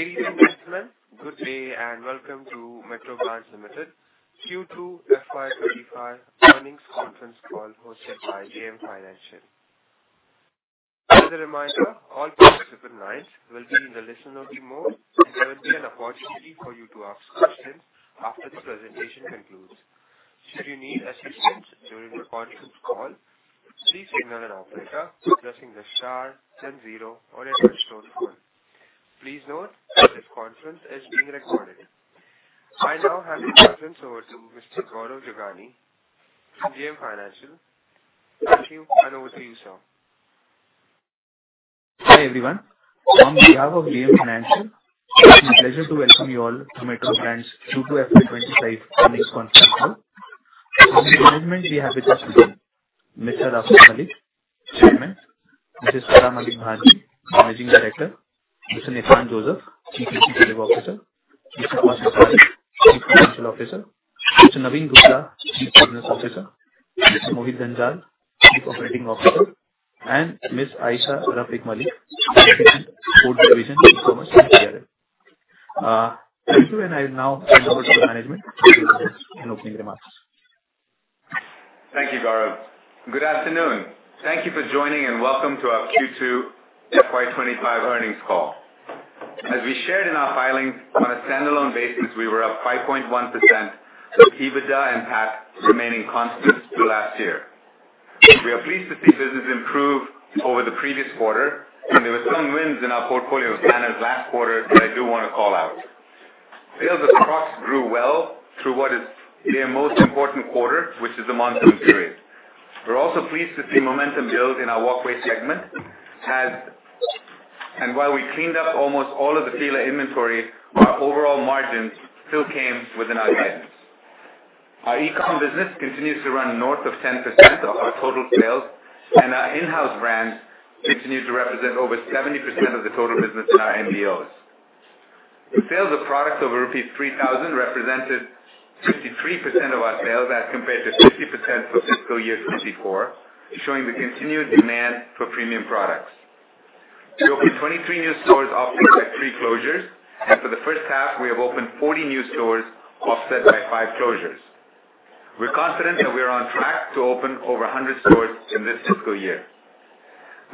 Ladies and gentlemen, good day and welcome to Metro Brands Limited Q2 FY 2025 earnings conference call hosted by JM Financial. As a reminder, all participants' lines will be in the listen-only mode, and there will be an opportunity for you to ask questions after the presentation concludes. Should you need assistance during the conference call, please signal an operator by pressing the star 10 zero on your touch-tone phone. Please note that this conference is being recorded. I now hand the conference over to Mr. Gaurav Jogani from JM Financial. Thank you. Over to you, sir. Hi, everyone. On behalf of JM Financial, it's my pleasure to welcome you all to Metro Brands Q2 FY 2025 earnings conference call. From the management, we have with us Mr. Rafique Malik, Chairman, Mrs. Farah Malik Bhanji, Managing Director, Mr. Nissan Joseph, Chief Executive Officer, Mr. Kaushal Parekh, Chief Financial Officer, Mr. Naveen Goela, Chief Business Officer, Mr. Mohit Dhanjal, Chief Operating Officer, and Ms. Alisha Rafique Malik, Director & Head, Corporate Division & CSR from MBL. Thank you. I now hand over to the management to give us an opening remarks. Thank you, Gaurav. Good afternoon. Thank you for joining and welcome to our Q2 FY 2025 earnings call. As we shared in our filings on a standalone basis, we were up 5.1% with EBITDA and PAT remaining constant to last year. We are pleased to see business improve over the previous quarter. There were some wins in our portfolio banners last quarter that I do want to call out. Sales of Crocs grew well through what is their most important quarter, which is the monsoon period. We're also pleased to see momentum build in our Walkway segment. While we cleaned up almost all of the FILA inventory, our overall margins still came within our guidance. Our e-com business continues to run north of 10% of our total sales, and our in-house brands continue to represent over 70% of the total business in our MBOs. Sales of products over rupees 3,000 represented 53% of our sales as compared to 50% for fiscal year 2024, showing the continued demand for premium products. We opened 23 new stores offset by three closures. For the first half we have opened 40 new stores offset by five closures. We're confident that we are on track to open over 100 stores in this fiscal year.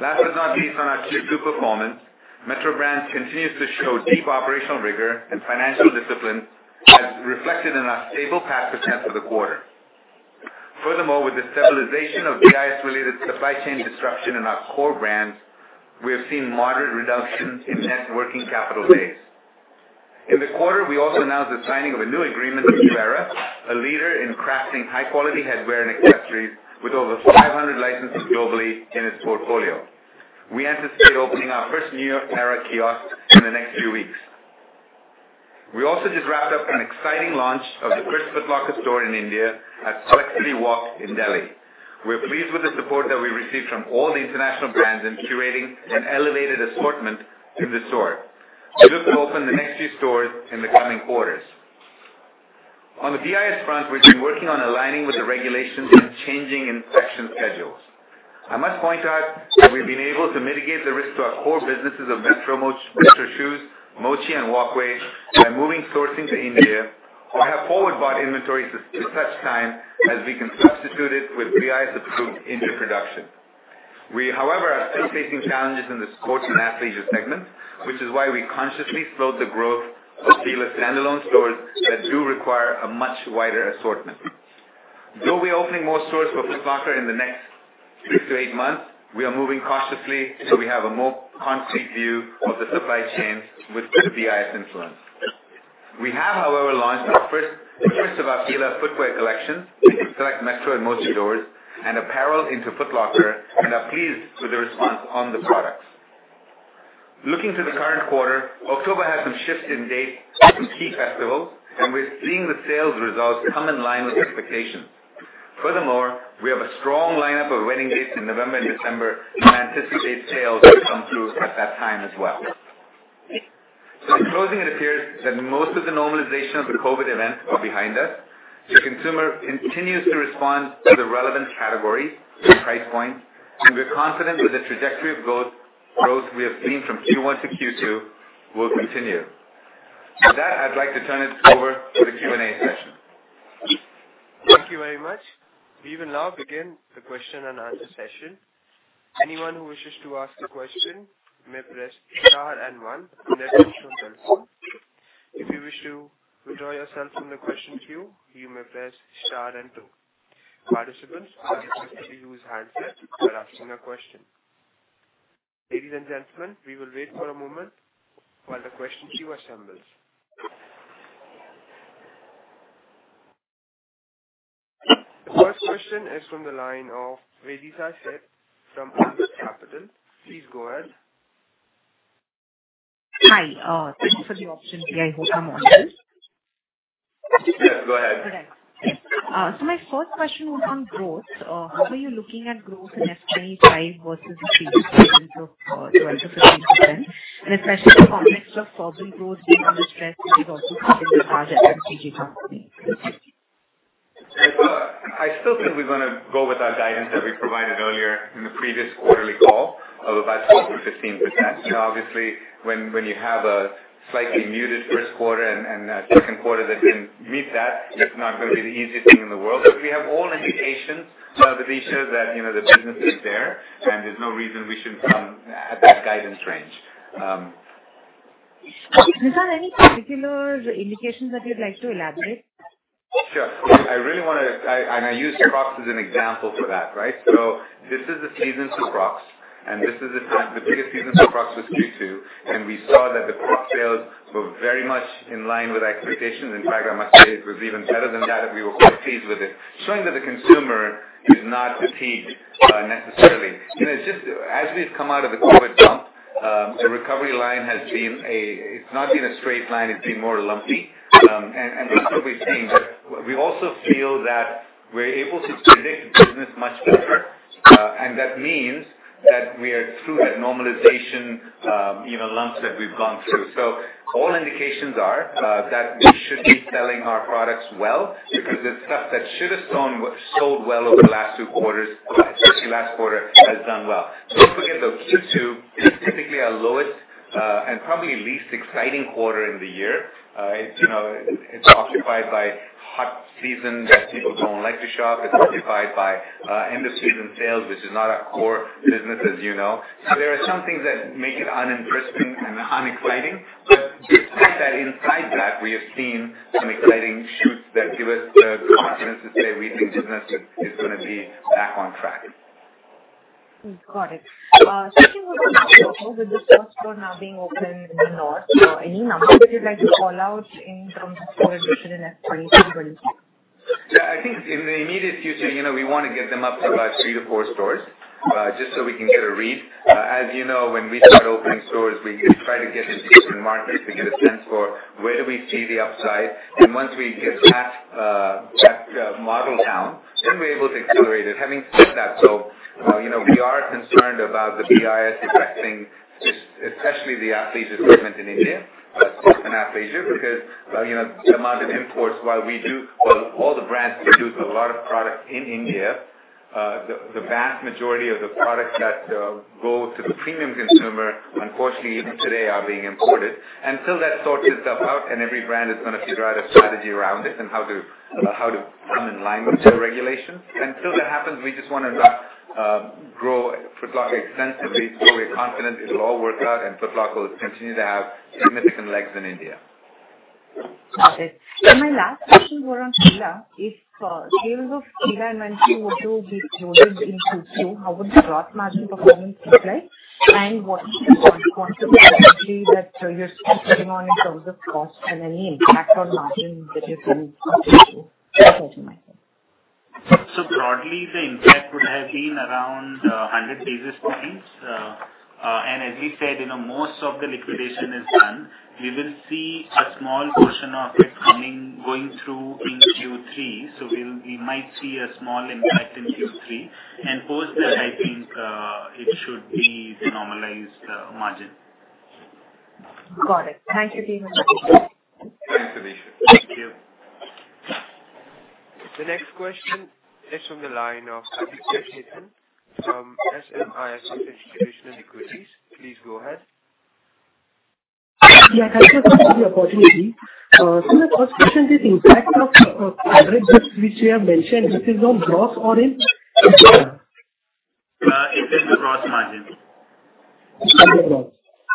Last, not least, on our Q2 performance, Metro Brands continues to show deep operational rigor and financial discipline as reflected in our stable PAT % for the quarter. Furthermore, with the stabilization of BIS-related supply chain disruption in our core brands, we have seen moderate reductions in net working capital days. In the quarter, we also announced the signing of a new agreement with New Era, a leader in crafting high-quality headwear and accessories with over 500 licenses globally in its portfolio. We anticipate opening our first New Era kiosk in the next few weeks. We also just wrapped up an exciting launch of the first Foot Locker store in India at Select Citywalk in Delhi. We are pleased with the support that we received from all the international brands in curating an elevated assortment in the store. We look to open the next few stores in the coming quarters. On the BIS front, we have been working on aligning with the regulations and changing inspection schedules. I must point out that we have been able to mitigate the risk to our core businesses of Metro Shoes, Mochi, and Walkway by moving sourcing to India or have forward-bought inventories to such time as we can substitute it with BIS-approved India production. We, however, are still facing challenges in the sports and athleisure segment, which is why we consciously slowed the growth of FILA standalone stores that do require a much wider assortment. Though we are opening more stores for Foot Locker in the next 6 to 8 months, we are moving cautiously so we have a more concrete view of the supply chain with BIS influence. We have, however, launched the first of our FILA footwear collection across Metro and Mochi stores and apparel into Foot Locker, and are pleased with the response on the products. Looking to the current quarter, October has some shifts in dates of some key festivals, we are seeing the sales results come in line with expectations. Furthermore, we have a strong lineup of wedding dates in November and December and anticipate sales to come through at that time as well. In closing, it appears that most of the normalization of the COVID events are behind us. The consumer continues to respond to the relevant categories and price points, we are confident that the trajectory of growth we have seen from Q1 to Q2 will continue. With that, I would like to turn it over to the Q&A session. Thank you very much. We will now begin the question and answer session. Anyone who wishes to ask a question may press star and one on their touchtone telephone. If you wish to withdraw yourself from the question queue, you may press star and two. Participants must strictly use handsets while asking a question. Ladies and gentlemen, we will wait for a moment while the question queue assembles. The first question is from the line of Devisha Seth from Algebris Capital. Please go ahead. Hi. Thank you for the opportunity. I hope I'm audible. Yes, go ahead. Correct. My first question was on growth. How are you looking at growth in FY 2025 versus the previous year in terms of 12%-15%, and especially in the context of urban growth being under stress, we've also seen in the past at FMCG companies? Well, I still think we're going to go with our guidance that we provided earlier in the previous quarterly call of about 14% to 15%. Now, obviously, when you have a slightly muted first quarter and a second quarter that can meet that, it's not going to be the easiest thing in the world. We have all indications, Devisha, that the business is there, and there's no reason we shouldn't come at that guidance range. Is there any particular indications that you'd like to elaborate? Sure. I use Crocs as an example for that, right? This is the season for Crocs, and this is the biggest season for Crocs with Q2, and we saw that the Crocs sales were very much in line with expectations. In fact, I must say it was even better than that, and we were quite pleased with it, showing that the consumer is not fatigued necessarily. As we've come out of the COVID hump, the recovery line it's not been a straight line, it's been more lumpy. That's what we've seen. We also feel that we're able to predict business much better, and that means that we are through that normalization lumps that we've gone through. All indications are that we should be selling our products well because it's stuff that should have sold well over the last two quarters, especially last quarter, has done well. Don't forget, though, Q2 is typically our lowest and probably least exciting quarter in the year. It's occupied by hot season that people don't like to shop. It's occupied by end-of-season sales, which is not our core business, as you know. There are some things that make it uninteresting and unexciting. Despite that, inside that, we have seen some exciting shoots that give us the confidence to say we think business is going to be back on track. Got it. Switching over to Foot Locker. With the first store now being open in the north, any numbers you'd like to call out in terms of sales or in expectation building? I think in the immediate future, we want to get them up to about three to four stores, just so we can get a read. As you know, when we start opening stores, we try to get into certain markets to get a sense for where do we see the upside. Once we get that model down, then we're able to accelerate it. Having said that, we are concerned about the BIS affecting especially the athlete equipment in India, sports and athletes here because the amount of imports, while all the brands produce a lot of product in India, the vast majority of the products that go to the premium consumer, unfortunately even today, are being imported. Until that sorts itself out, every brand is going to figure out a strategy around it and how to come in line with the regulation. Until that happens, we just want to grow Foot Locker sensibly, so we're confident it'll all work out, and Foot Locker will continue to have significant legs in India. Got it. My last question, Gaurav, FILA. If sales of FILA and Van Heusen were to be included in Q2, how would the gross margin performance look like? What is the cost structure actually that you're still sitting on in terms of cost and any impact on margin that you're seeing in Q2? Over to Mohit. Broadly, the impact would have been around 100 basis points. As we said, most of the liquidation is done. We will see a small portion of it going through in Q3. We might see a small impact in Q3. Post that, I think it should be normalized margin. Got it. Thank you, team. Thanks, Devisha. Thank you. The next question is from the line of Aditi Seth from Systematix Institutional Equities. Please go ahead. Yeah, thank you so much for the opportunity. My first question is impact of FILA dips which you have mentioned, this is on gross or in EBITDA? It is the gross margin. Gross.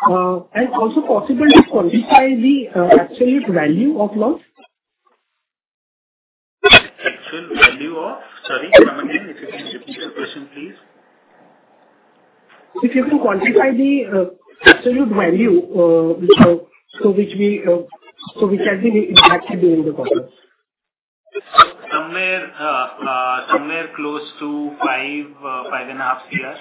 Also possibly quantify the absolute value of loss. Sorry, come again. If you can repeat your question, please. If you can quantify the absolute value which has been impacted during the quarter. Somewhere close to 5.5 crore.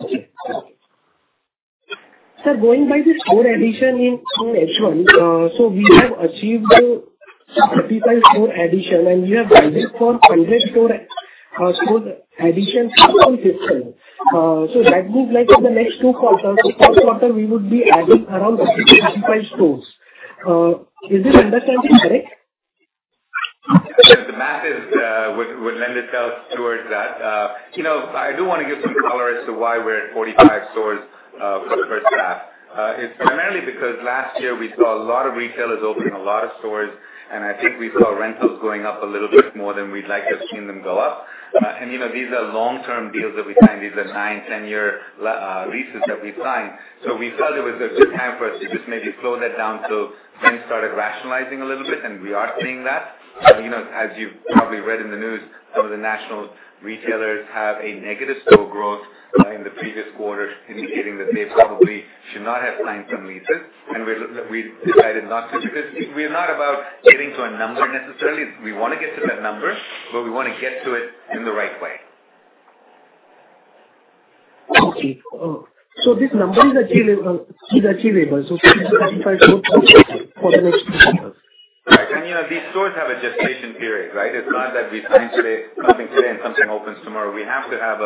Okay. Sir, going by the store addition in H1. We have achieved a 45 store addition, and we have guided for 100 store additions for fiscal. That would like in the next two quarters, this quarter we would be adding around 65 stores. Is this understanding correct? The math would lend itself towards that. I do want to give some color as to why we're at 45 stores for the first half. It's primarily because last year we saw a lot of retailers open a lot of stores, and I think we saw rentals going up a little bit more than we'd like to have seen them go up. These are long-term deals that we sign. These are nine, 10-year leases that we sign. We felt it was a good time for us to just maybe slow that down till things started rationalizing a little bit, and we are seeing that. As you've probably read in the news, some of the national retailers have a negative store growth in the previous quarter, indicating that they probably should not have signed some leases. We decided not to because we're not about getting to a number necessarily. We want to get to that number, but we want to get to it in the right way. Okay. This number is achievable. 45 stores for the next fiscal. These stores have a gestation period, right? It's not that we sign something today and something opens tomorrow. We have to have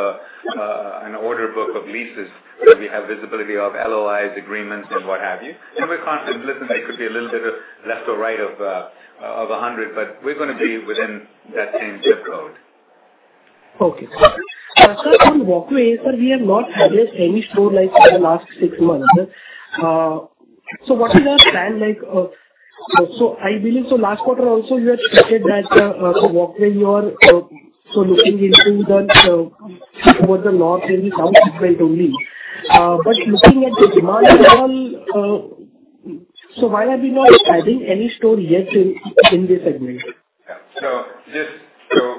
an order book of leases where we have visibility of LOIs, agreements, and what have you. We're constantly listening. It could be a little bit of left or right of 100, but we're going to be within that same zip code. Okay. Sir, on Walkway, sir, we have not added any store like for the last six months. What is our plan? I believe last quarter also you had stated that Walkway you are looking into the towards the north and the subsequent only. Looking at the demand and all, why are we not adding any store yet in this segment? Yeah.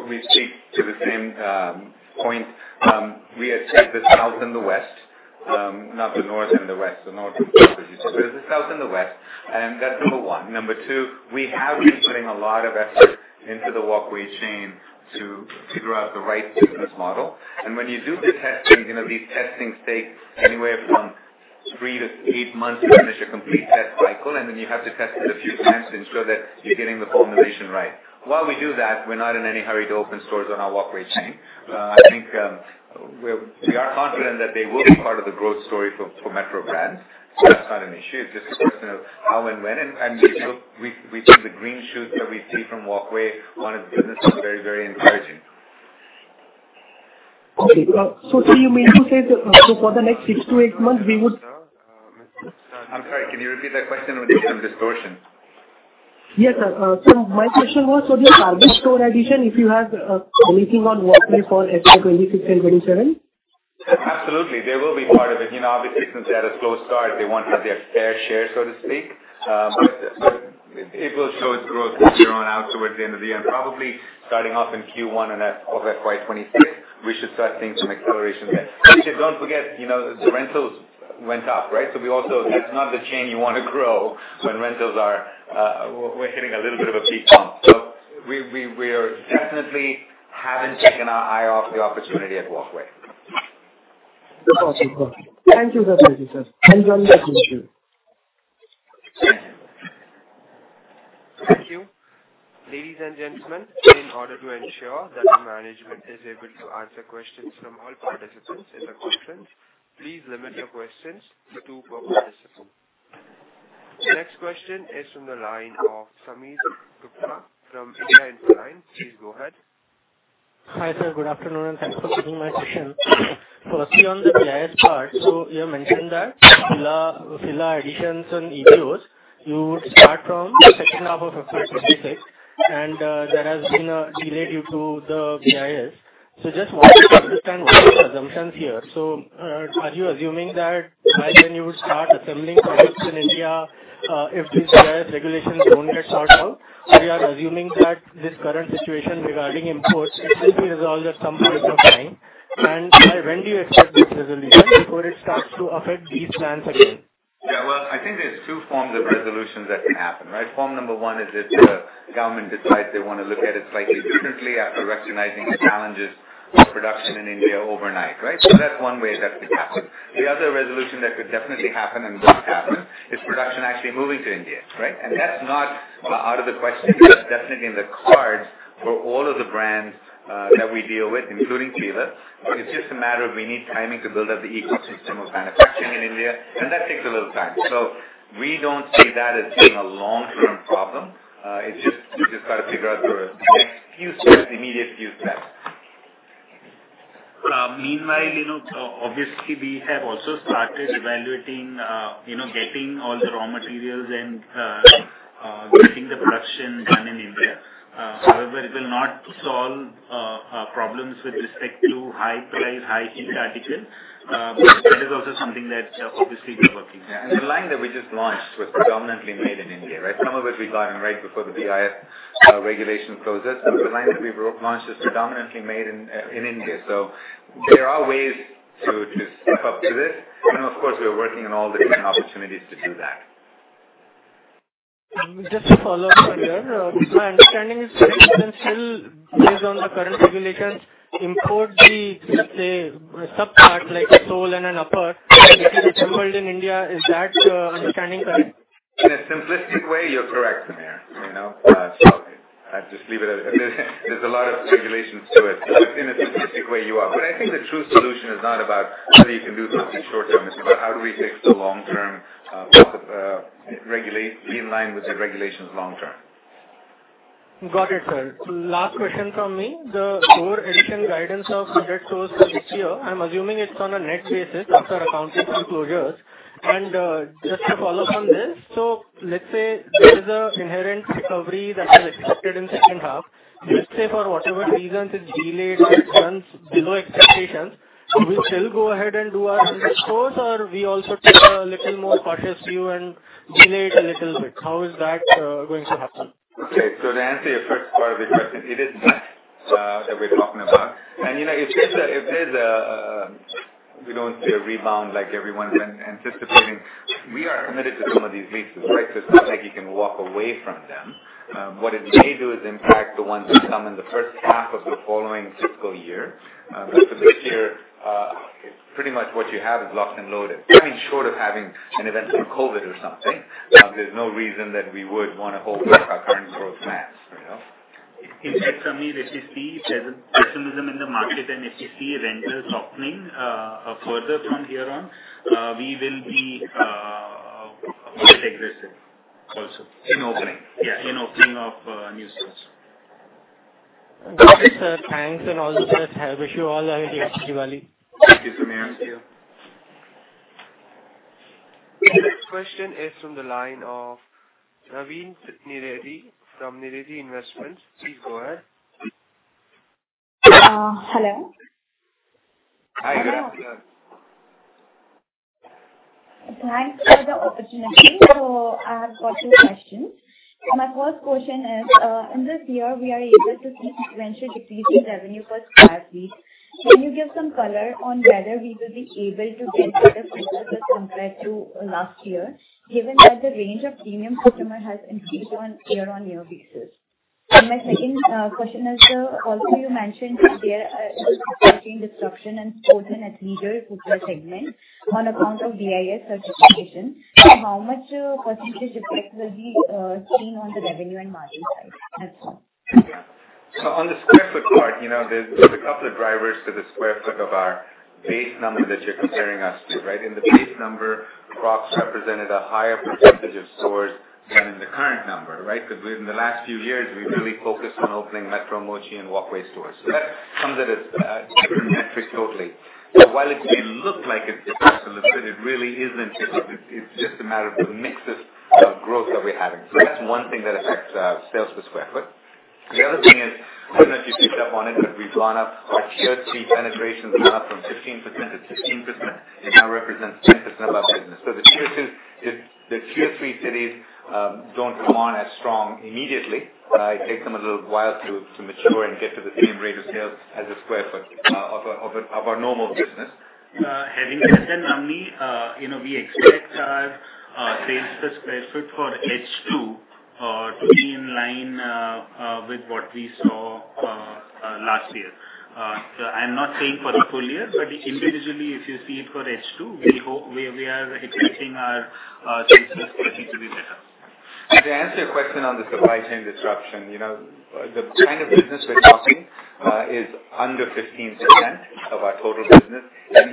We speak to the same point. We had said the South and the West, not the North and the West, the North and East. The South and the West, and that's number 1. Number 2, we have been putting a lot of effort into the Walkway chain to figure out the right business model. When you do the testing, these testings take anywhere from 3 to 8 months to finish a complete test cycle, and then you have to test it a few times to ensure that you're getting the formulation right. While we do that, we're not in any hurry to open stores on our Walkway chain. I think we are confident that they will be part of the growth story for Metro Brands. That's not an issue. It's just a question of how and when. We see the green shoots that we see from Walkway on its business are very encouraging. Okay. You mean to say that for the next 6 to 8 months, we would- I'm sorry, can you repeat that question? There was some distortion. Yes, sir. My question was for the target store addition, if you have anything on Walkway for FY 2026 and 2027. Absolutely. They will be part of it. Obviously, since they had a slow start, they want to have their fair share, so to speak. It will show its growth from here on out towards the end of the year, and probably starting off in Q1 of FY 2026, we should start seeing some acceleration there. Don't forget, the rentals went up. That's not the chain you want to grow when rentals are hitting a little bit of a peak point. We definitely haven't taken our eye off the opportunity at Walkway. That's awesome. Thank you very much, sir. Enjoying the rest of the day. Thank you. Ladies and gentlemen, in order to ensure that the management is able to answer questions from all participants in the conference, please limit your questions to one participant. The next question is from the line of Sameer Gupta from India Infoline. Please go ahead. Hi, sir. Good afternoon, and thanks for taking my question. Firstly, on the BIS part, you mentioned that FILA additions and intros, you would start from the second half of FY 2026, and that has been delayed due to the BIS. Just want to understand what are the assumptions here. Are you assuming that by when you would start assembling products in India if these BIS regulations don't get sorted out? Or you are assuming that this current situation regarding imports will be resolved at some point of time? By when do you expect this resolution before it starts to affect these plans again? Yeah. Well, I think there's two forms of resolutions that can happen, right? Form number 1 is if the government decides they want to look at it slightly differently after recognizing the challenges of production in India overnight. That's one way that could happen. The other resolution that could definitely happen and will happen is production actually moving to India. That's not out of the question. That's definitely in the cards for all of the brands that we deal with, including FILA. It's just a matter of we need timing to build up the ecosystem of manufacturing in India, and that takes a little time. We don't see that as being a long-term problem. We just got to figure out the next few steps, immediate few steps. Meanwhile, obviously, we have also started evaluating getting all the raw materials and getting the production done in India. However, it will not solve problems with respect to high price, high input article. That is also something that obviously we're working on. Yeah. The line that we just launched was predominantly made in India. Some of it we got in right before the BIS regulation process, but the line that we launched is predominantly made in India. There are ways to step up to this. Of course, we're working on all the different opportunities to do that. Just to follow up on there. My understanding is that you can still, based on the current regulations, import the, let's say, sub-part, like a sole and an upper, and it'll be assembled in India. Is that understanding correct? In a simplistic way, you're correct, Sameer. I'll just leave it at that. There's a lot of regulations to it. In a simplistic way, you are. I think the true solution is not about how you can do things in short-term. It's about how do we fix the long-term part of being in line with the regulations long-term. Got it, sir. Last question from me. The store addition guidance of 100 stores for this year, I'm assuming it's on a net basis after accounting for closures. Just to follow from this, let's say there is an inherent recovery that is expected in second half. Let's say for whatever reasons, it's delayed or it runs below expectations, we still go ahead and do our 100 stores, or we also take a little more cautious view and delay it a little bit. How is that going to happen? Okay. To answer your first part of your question, it is net that we're talking about. If there's a We don't see a rebound like everyone's anticipating. We are committed to some of these leases, right? It's not like you can walk away from them. What it may do is impact the ones that come in the first half of the following fiscal year. For this year, pretty much what you have is locked and loaded. I mean, short of having an event like COVID or something, there's no reason that we would want to hold back our current growth plans. Sameer, if you see pessimism in the market and if you see rentals opening further from here on, we will beIt existed also. In opening. Yeah, in opening of new stores. Got it, sir. Thanks and all the best. Wish you all a happy Diwali. Thank you, Sameer. Thank you. The next question is from the line of Navin Niredi from Niredi Investments. Please go ahead. Hello. Hi, good afternoon. Thanks for the opportunity. I've got two questions. My first question is, in this year, we are able to see sequential decrease in revenue per square feet. Can you give some color on whether we will be able to get better square foot compared to last year, given that the range of premium customer has increased on year-on-year basis? My second question is, sir, also you mentioned that there is supply chain disruption in Sports and Athleisure Footwear segment on account of BIS certification. How much percentage effect will be seen on the revenue and margin side as well? On the square foot part, there's a couple of drivers to the square foot of our base number that you're comparing us to, right? In the base number, Crocs represented a higher percentage of stores than in the current number, right? Because within the last few years, we've really focused on opening Metro, Mochi, and Walkway stores. That comes at a different metric totally. While it may look like it's absolute, it really isn't. It's just a matter of the mix of growth that we're having. That's one thing that affects sales per square foot. The other thing is, I don't know if you picked up on it, but our tier 3 penetrations went up from 15% to 16%, it now represents 10% of our business. The tier 2s, the tier 3 cities don't come on as strong immediately. It takes them a little while to mature and get to the same rate of sales as a square foot of our normal business. Having said that, Navin, we expect our sales per square foot for H2 to be in line with what we saw last year. I'm not saying for the full year, but individually, if you see it for H2, we are expecting our sales per square foot to be better. To answer your question on the supply chain disruption. The kind of business we're talking is under 15% of our total business.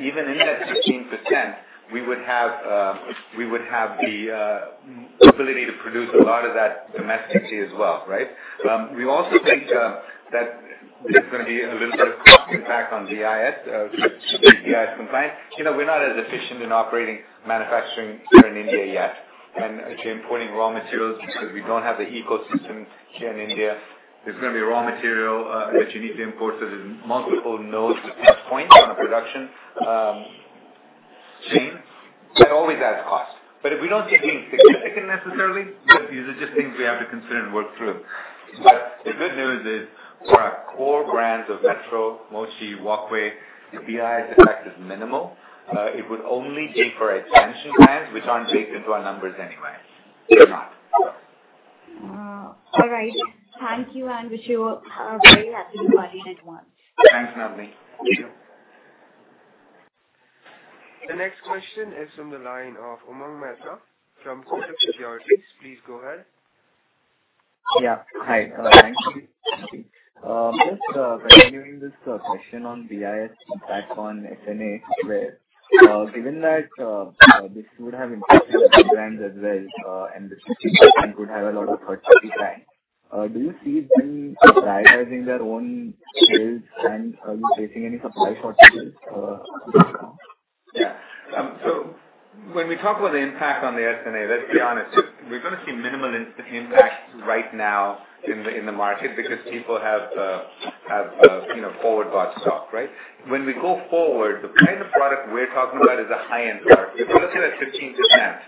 Even in that 15%, we would have the ability to produce a lot of that domestically as well, right? We also think that there's going to be a little bit of cost impact on BIS, to be BIS compliant. We're not as efficient in operating manufacturing here in India yet. Importing raw materials because we don't have the ecosystem here in India. There's going to be raw material that you need to import, so there's multiple nodes or touch points on a production chain, and all these add cost. If we don't see anything significant necessarily, these are just things we have to consider and work through. The good news is for our core brands of Metro, Mochi, Walkway, the BIS effect is minimal. It would only be for our expansion brands, which aren't baked into our numbers anyway. It's not. All right. Thank you and wish you a very happy Diwali ahead one. Thanks, Navin. Thank you. The next question is from the line of Umang Mehta from Kotak Securities. Please go ahead. Yeah. Hi. Thanks. Just continuing this question on BIS impact on S&A where, given that this would have impacted other brands as well, and this would have a lot of purchasing brand, do you see them prioritizing their own sales? Are you facing any supply shortages as of now? Yeah. When we talk about the impact on the S&A, let's be honest, we're going to see minimal impact right now in the market because people have forward bought stock, right? When we go forward, the kind of product we're talking about is a high-end product. We're talking about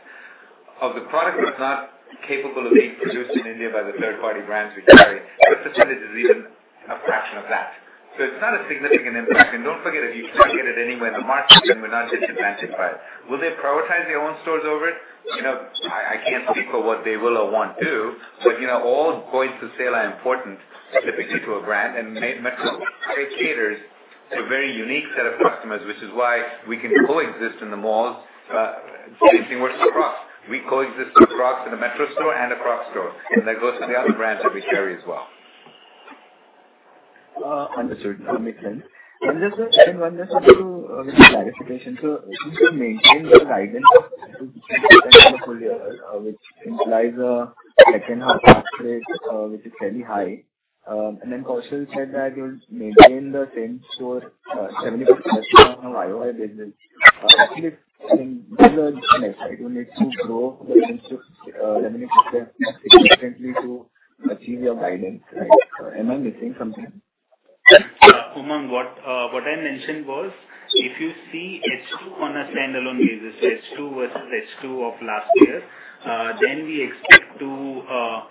15% of the product that's not capable of being produced in India by the third-party brands we carry. The percentage is even a fraction of that. It's not a significant impact. Don't forget, if you can't get it anywhere in the market, then we're not disadvantaged by it. Will they prioritize their own stores over it? I can't speak for what they will or won't do, but all points of sale are important, typically to a brand, and Metro caters to a very unique set of customers, which is why we can coexist in the malls. Same thing works for Crocs. We coexist with Crocs in a Metro store and a Crocs store, and that goes for the other brands that we carry as well. Understood. That makes sense. Just one clarification. Since you maintained your guidance for 15% for the full year, which implies a second half growth rate, which is fairly high. Kaushal said that you will maintain the same store, 75% run rate of year-over-year business. Actually, I think there's a disconnect, right? You need to grow the same store significantly to achieve your guidance, right? Am I missing something? Umang, what I mentioned was, if you see H2 on a standalone basis, H2 versus H2 of last year, then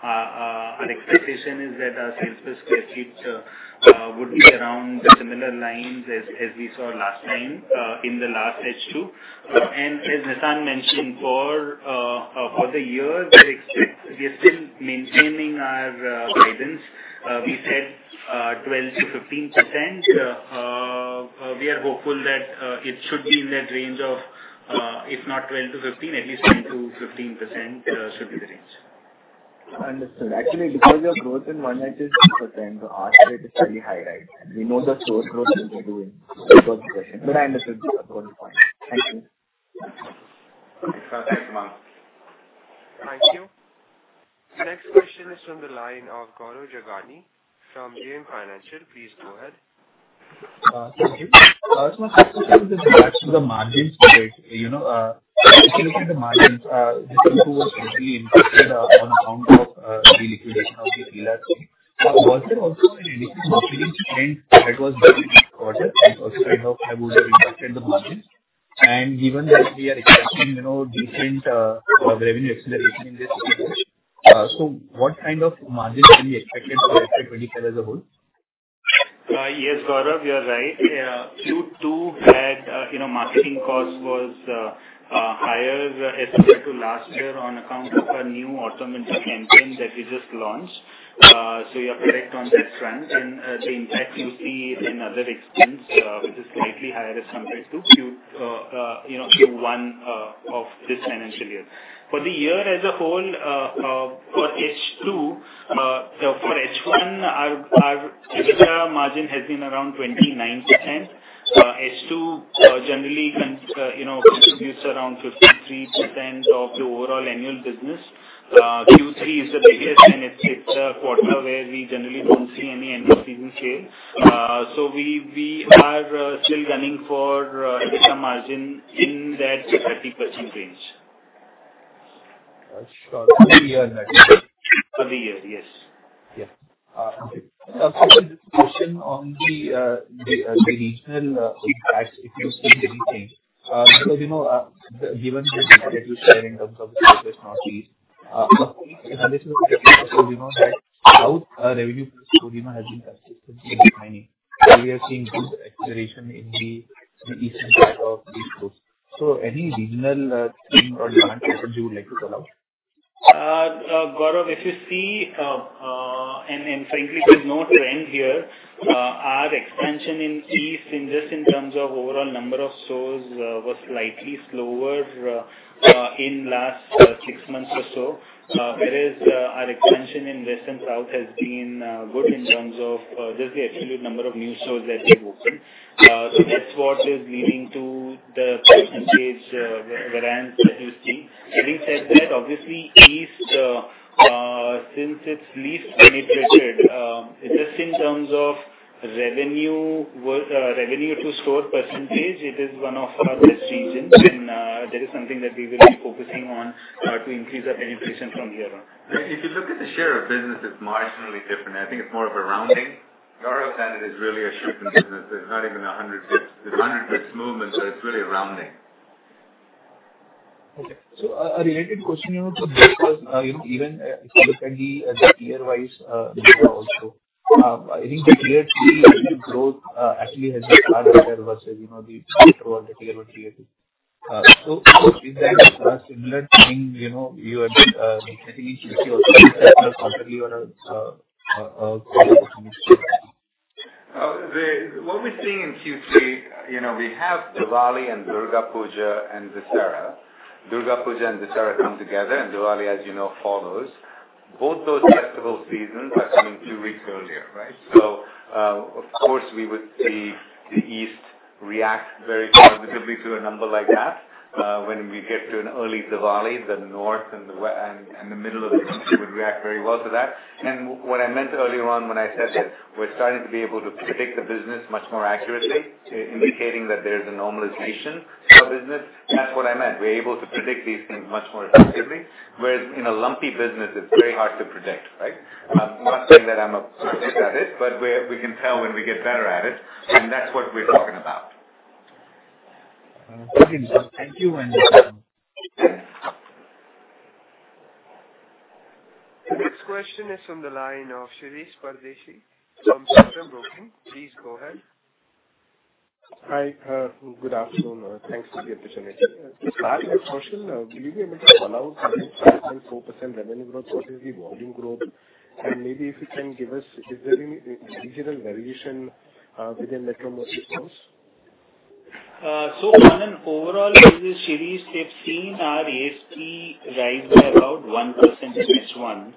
our expectation is that our sales per sq ft would be around similar lines as we saw last time in the last H2. As Nissan mentioned, for the year, we are still maintaining our guidance. We said 12%-15%. We are hopeful that it should be in that range of if not 12%-15%, at least 10%-15% should be the range. Understood. Actually, because your growth in one month is 6%, the R rate is fairly high, right? We know the store growth that you are doing. I understood your point. Thank you. Thanks, Umang. Thank you. Next question is from the line of Gaurav Jogani from JM Financial. Please go ahead. Thank you. I just want to talk to you with regards to the margins a bit. If you look at the margins, Q2 was slightly impacted on account of the liquidation of the quarter and also kind of how it would have impacted the margins. Given that we are expecting different revenue acceleration in this Q4, what kind of margins can we expect as a whole? Yes, Gaurav, you're right. Q2 had marketing costs were higher as compared to last year on account of a new auto campaign that we just launched. You are correct on that front and the impact you see in other expense, which is slightly higher as compared to Q1 of this financial year. For the year as a whole, for H1, our EBITDA margin has been around 29%. H2 generally contributes around 53% of the overall annual business. Q3 is the biggest and it's a quarter where we generally don't see any end of season sale. We are still gunning for EBITDA margin in that 30% range. Sure. For the year next. For the year, yes. Yeah. Okay. A question on the regional impacts, if you see anything. Because, given the split that you shared in terms of the stores, North, East. Roughly, in the last couple of years we know that South revenue for Metro has been consistently declining and we are seeing good acceleration in the East of these stores. Any regional theme or demand patterns you would like to call out? Gaurav, if you see, frankly, there's no trend here. Our expansion in East in just in terms of overall number of stores, was slightly slower in last six months or so. Whereas our expansion in West and South has been good in terms of just the absolute number of new stores that we've opened. That's what is leading to the percentage variance that you're seeing. Having said that, obviously East, since it's least penetrated, just in terms of revenue to store percentage, it is one of our best regions and that is something that we will be focusing on to increase our penetration from here on. If you look at the share of business, it's marginally different. I think it's more of a rounding. Gaurav said it is really a shrinking business. It's 100 basis points movement, it's really a rounding. A related question to this was, even if you look at the year-wise data also. I think that Tier 3 growth actually has been far better versus the year one, year two. Is that a similar thing you are expecting in Q3 also? What we're seeing in Q3, we have Diwali and Durga Puja and Dussehra. Durga Puja and Dussehra come together, Diwali, as you know, follows. Both those festival seasons are coming two weeks earlier, right? Of course, we would see the East react very positively to a number like that. When we get to an early Diwali, the North and the Middle of the country would react very well to that. What I meant earlier on when I said that we're starting to be able to predict the business much more accurately, indicating that there is a normalization of business. That's what I meant. We're able to predict these things much more effectively. Whereas in a lumpy business, it's very hard to predict, right? I'm not saying that I'm a expert at it, but we can tell when we get better at it, that's what we're talking about. Okay. Thank you. The next question is from the line of Shirish Pardeshi from Centrum Broking. Please go ahead. Hi. Good afternoon. Thanks for the opportunity. To start with, Sanjeev, do you think I may follow up on the 7.4% revenue growth, what is the volume growth? And maybe if you can give us, is there any regional variation within Metro stores? On an overall basis, Shirish, we've seen our ASP rise by around 1% in H1.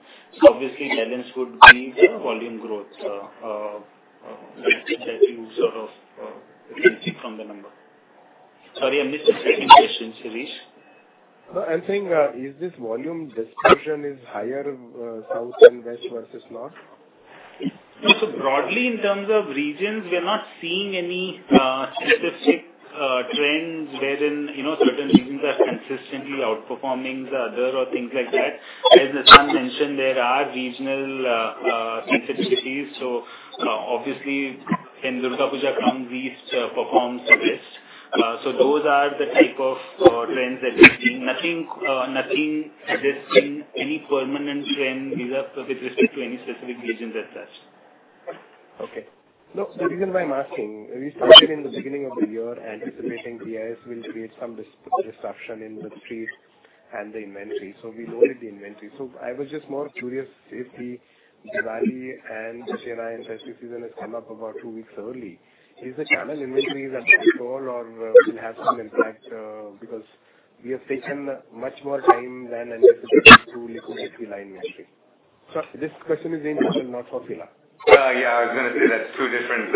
Obviously, that is good news for volume growth, which I think you can see from the number. Sorry, I missed your second question, Shirish. I'm saying, is this volume disruption is higher South and West versus North? Broadly, in terms of regions, we are not seeing any specific trends wherein certain regions are consistently outperforming the other or things like that. As Nissan mentioned, there are regional sensitivities. Obviously when Durga Puja comes, East performs the best. Those are the type of trends that we've seen. Nothing suggesting any permanent trend with respect to any specific regions as such. The reason why I'm asking, we started in the beginning of the year anticipating BIS will create some disruption in the street and the inventory, we loaded the inventory. I was just more curious Safety, Diwali and Dussehra and festive season has come up about two weeks early. Is the channel inventory under control or will have some impact because we have taken much more time than anticipated to liquidate the line inventory. Sir, this question is aimed at not for FILA. I was going to say that's two different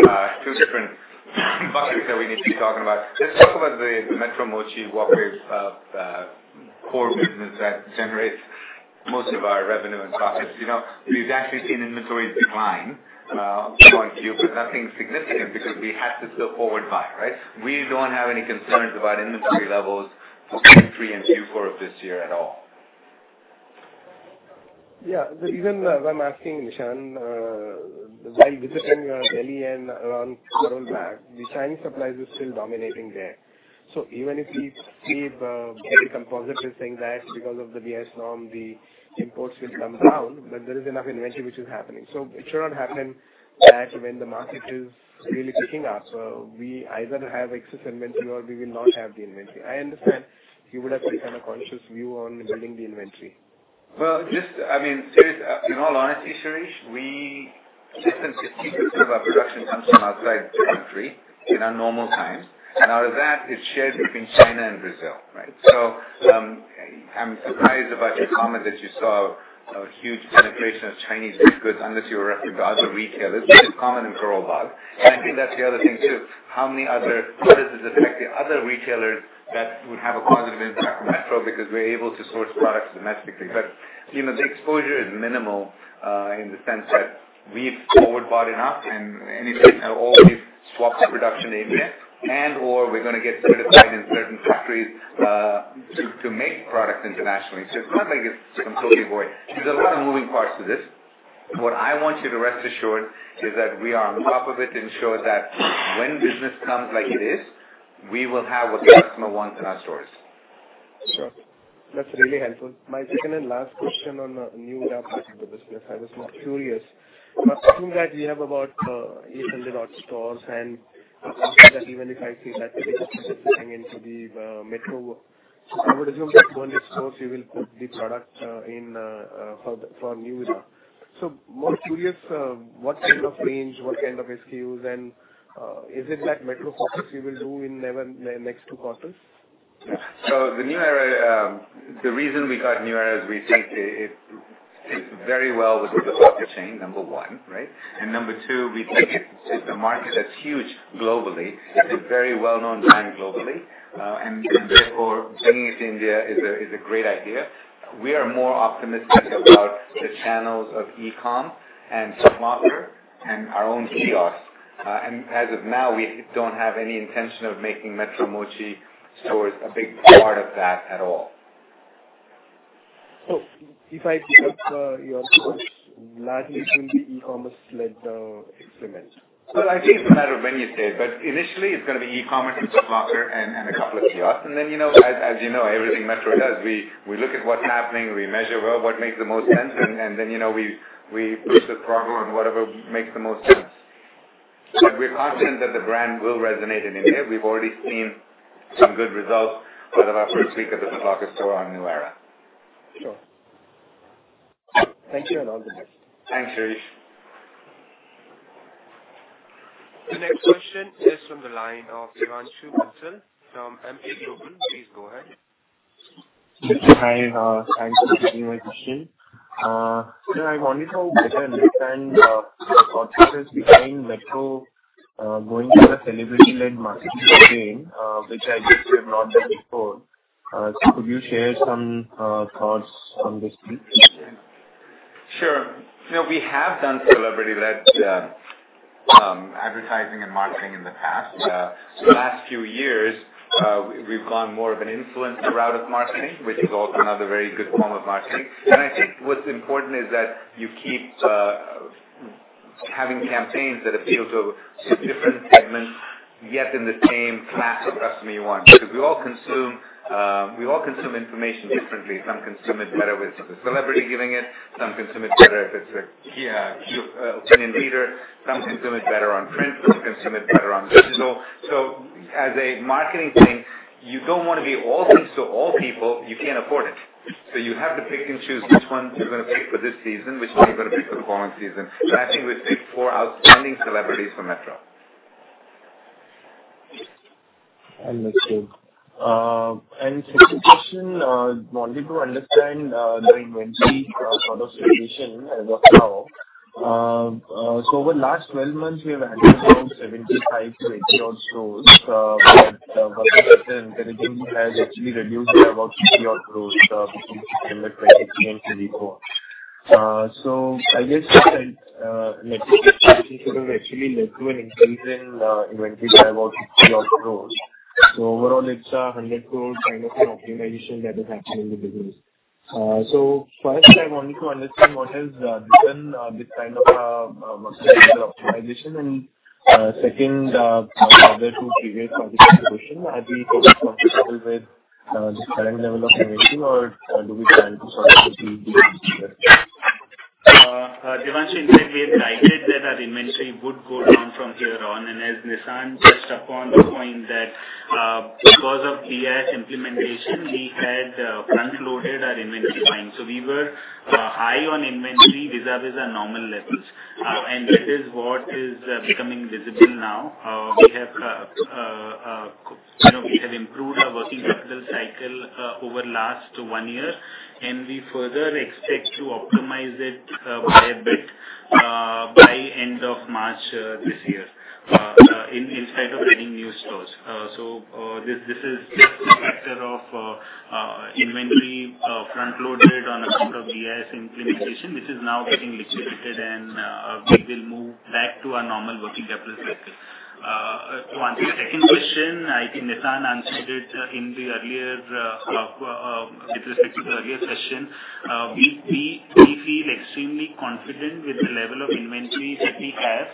buckets that we need to be talking about. Let's talk about the Metro Mochi Walkway core business that generates most of our revenue and profits. We've actually seen inventory decline quarter-on-quarter, nothing significant because we had to still forward buy. We don't have any concerns about inventory levels for Q3 and Q4 of this year at all. The reason why I'm asking, Nissan, while visiting Delhi and around Karol Bagh, the Chinese suppliers are still dominating there. Even if we keep very composite is saying that because of the BIS norm, the imports will come down, there is enough inventory which is happening. It should not happen that when the market is really picking up, we either have excess inventory or we will not have the inventory. I understand you would have some kind of conscious view on building the inventory. Well, in all honesty, Shirish, we, less than 15% of our production comes from outside the country in our normal times. Out of that, it's shared between China and Brazil. I'm surprised about your comment that you saw a huge penetration of Chinese goods unless you were referring to other retailers. This is common in Karol Bagh. I think that's the other thing too, how does this affect the other retailers that would have a positive impact on Metro because we're able to source products domestically. The exposure is minimal, in the sense that we've forward bought enough and in any case have already swapped the production in India and/or we're going to get certified in certain factories to make products internationally. It's not like it's completely void. There's a lot of moving parts to this. What I want you to rest assured is that we are on top of it and sure that when business comes like it is, we will have what the customer wants in our stores. Sure. That's really helpful. My second and last question on New Era part of the business. I was more curious. Assume that we have about 800-odd stores and after that, even if I see that it is starting into the Metro. I would assume that 200 stores you will put the product for New Era. More curious, what kind of range, what kind of SKUs, and is it that Metro focus you will do in next two quarters? The reason we got New Era is we think it fits very well with the supply chain, number one. Number two, we think it's a market that's huge globally. It's a very well-known brand globally. Therefore bringing it to India is a great idea. We are more optimistic about the channels of e-com and Foot Locker and our own kiosks. As of now, we don't have any intention of making Metro Mochi stores a big part of that at all. If I pick up your stores, largely it will be e-commerce led experiment. Well, I think it's a matter of when you say it, but initially it's going to be e-commerce and Foot Locker and a couple of kiosks. Then, as you know, everything Metro does, we look at what's happening, we measure well what makes the most sense, and then we push the program, whatever makes the most sense. We're confident that the brand will resonate in India. We've already seen some good results out of our first week of the Foot Locker store on New Era. Sure. Thank you, and all the best. Thanks, Shirish. The next question is from the line of Devanshu Patel from MP Global. Please go ahead. Hi. Thanks for taking my question. Sir, I wanted to understand your thought process behind Metro going for a celebrity-led marketing campaign, which I guess you have not done before. Could you share some thoughts on this please? Sure. We have done celebrity-led advertising and marketing in the past. The last few years, we've gone more of an influencer route of marketing, which is also another very good form of marketing. I think what's important is that you keep having campaigns that appeal to different segments, yet in the same class of customer you want. We all consume information differently. Some consume it better with a celebrity giving it. Some consume it better if it's an opinion leader. Some consume it better on print. Some consume it better on digital. As a marketing thing, you don't want to be all things to all people. You can't afford it. You have to pick and choose which one you're going to pick for this season, which one you're going to pick for the following season. I think we've picked four outstanding celebrities for Metro. I understand. Second question, wanted to understand the inventory sort of situation as of now. Over last 12 months, we have added around 75 to 80 odd stores. Working capital intelligently has actually reduced by about 60 odd stores between September 2024. I guess Metro expansion should have actually led to an increase in inventory by about 60 odd stores. Overall it's 100 crore kind of an optimization that is happening in the business. First I wanted to understand what has driven this kind of a working capital optimization and second, further to previous audit execution, are we still comfortable with this current level of inventory or do we plan to sort of achieve this year? Devanshu, in fact we had guided that our inventory would go down from here on, and as Nissan touched upon the point that Of BIS implementation, we had front-loaded our inventory fine. We were high on inventory vis-à-vis our normal levels. That is what is becoming visible now. We have improved our working capital cycle over last one year, and we further expect to optimize it by a bit by end of March this year instead of adding new stores. This is just a factor of inventory front-loaded on account of BIS implementation, which is now getting liquidated and we will move back to our normal working capital cycle. To answer the second question, I think Nissan answered it with respect to the earlier question. We feel extremely confident with the level of inventories that we have,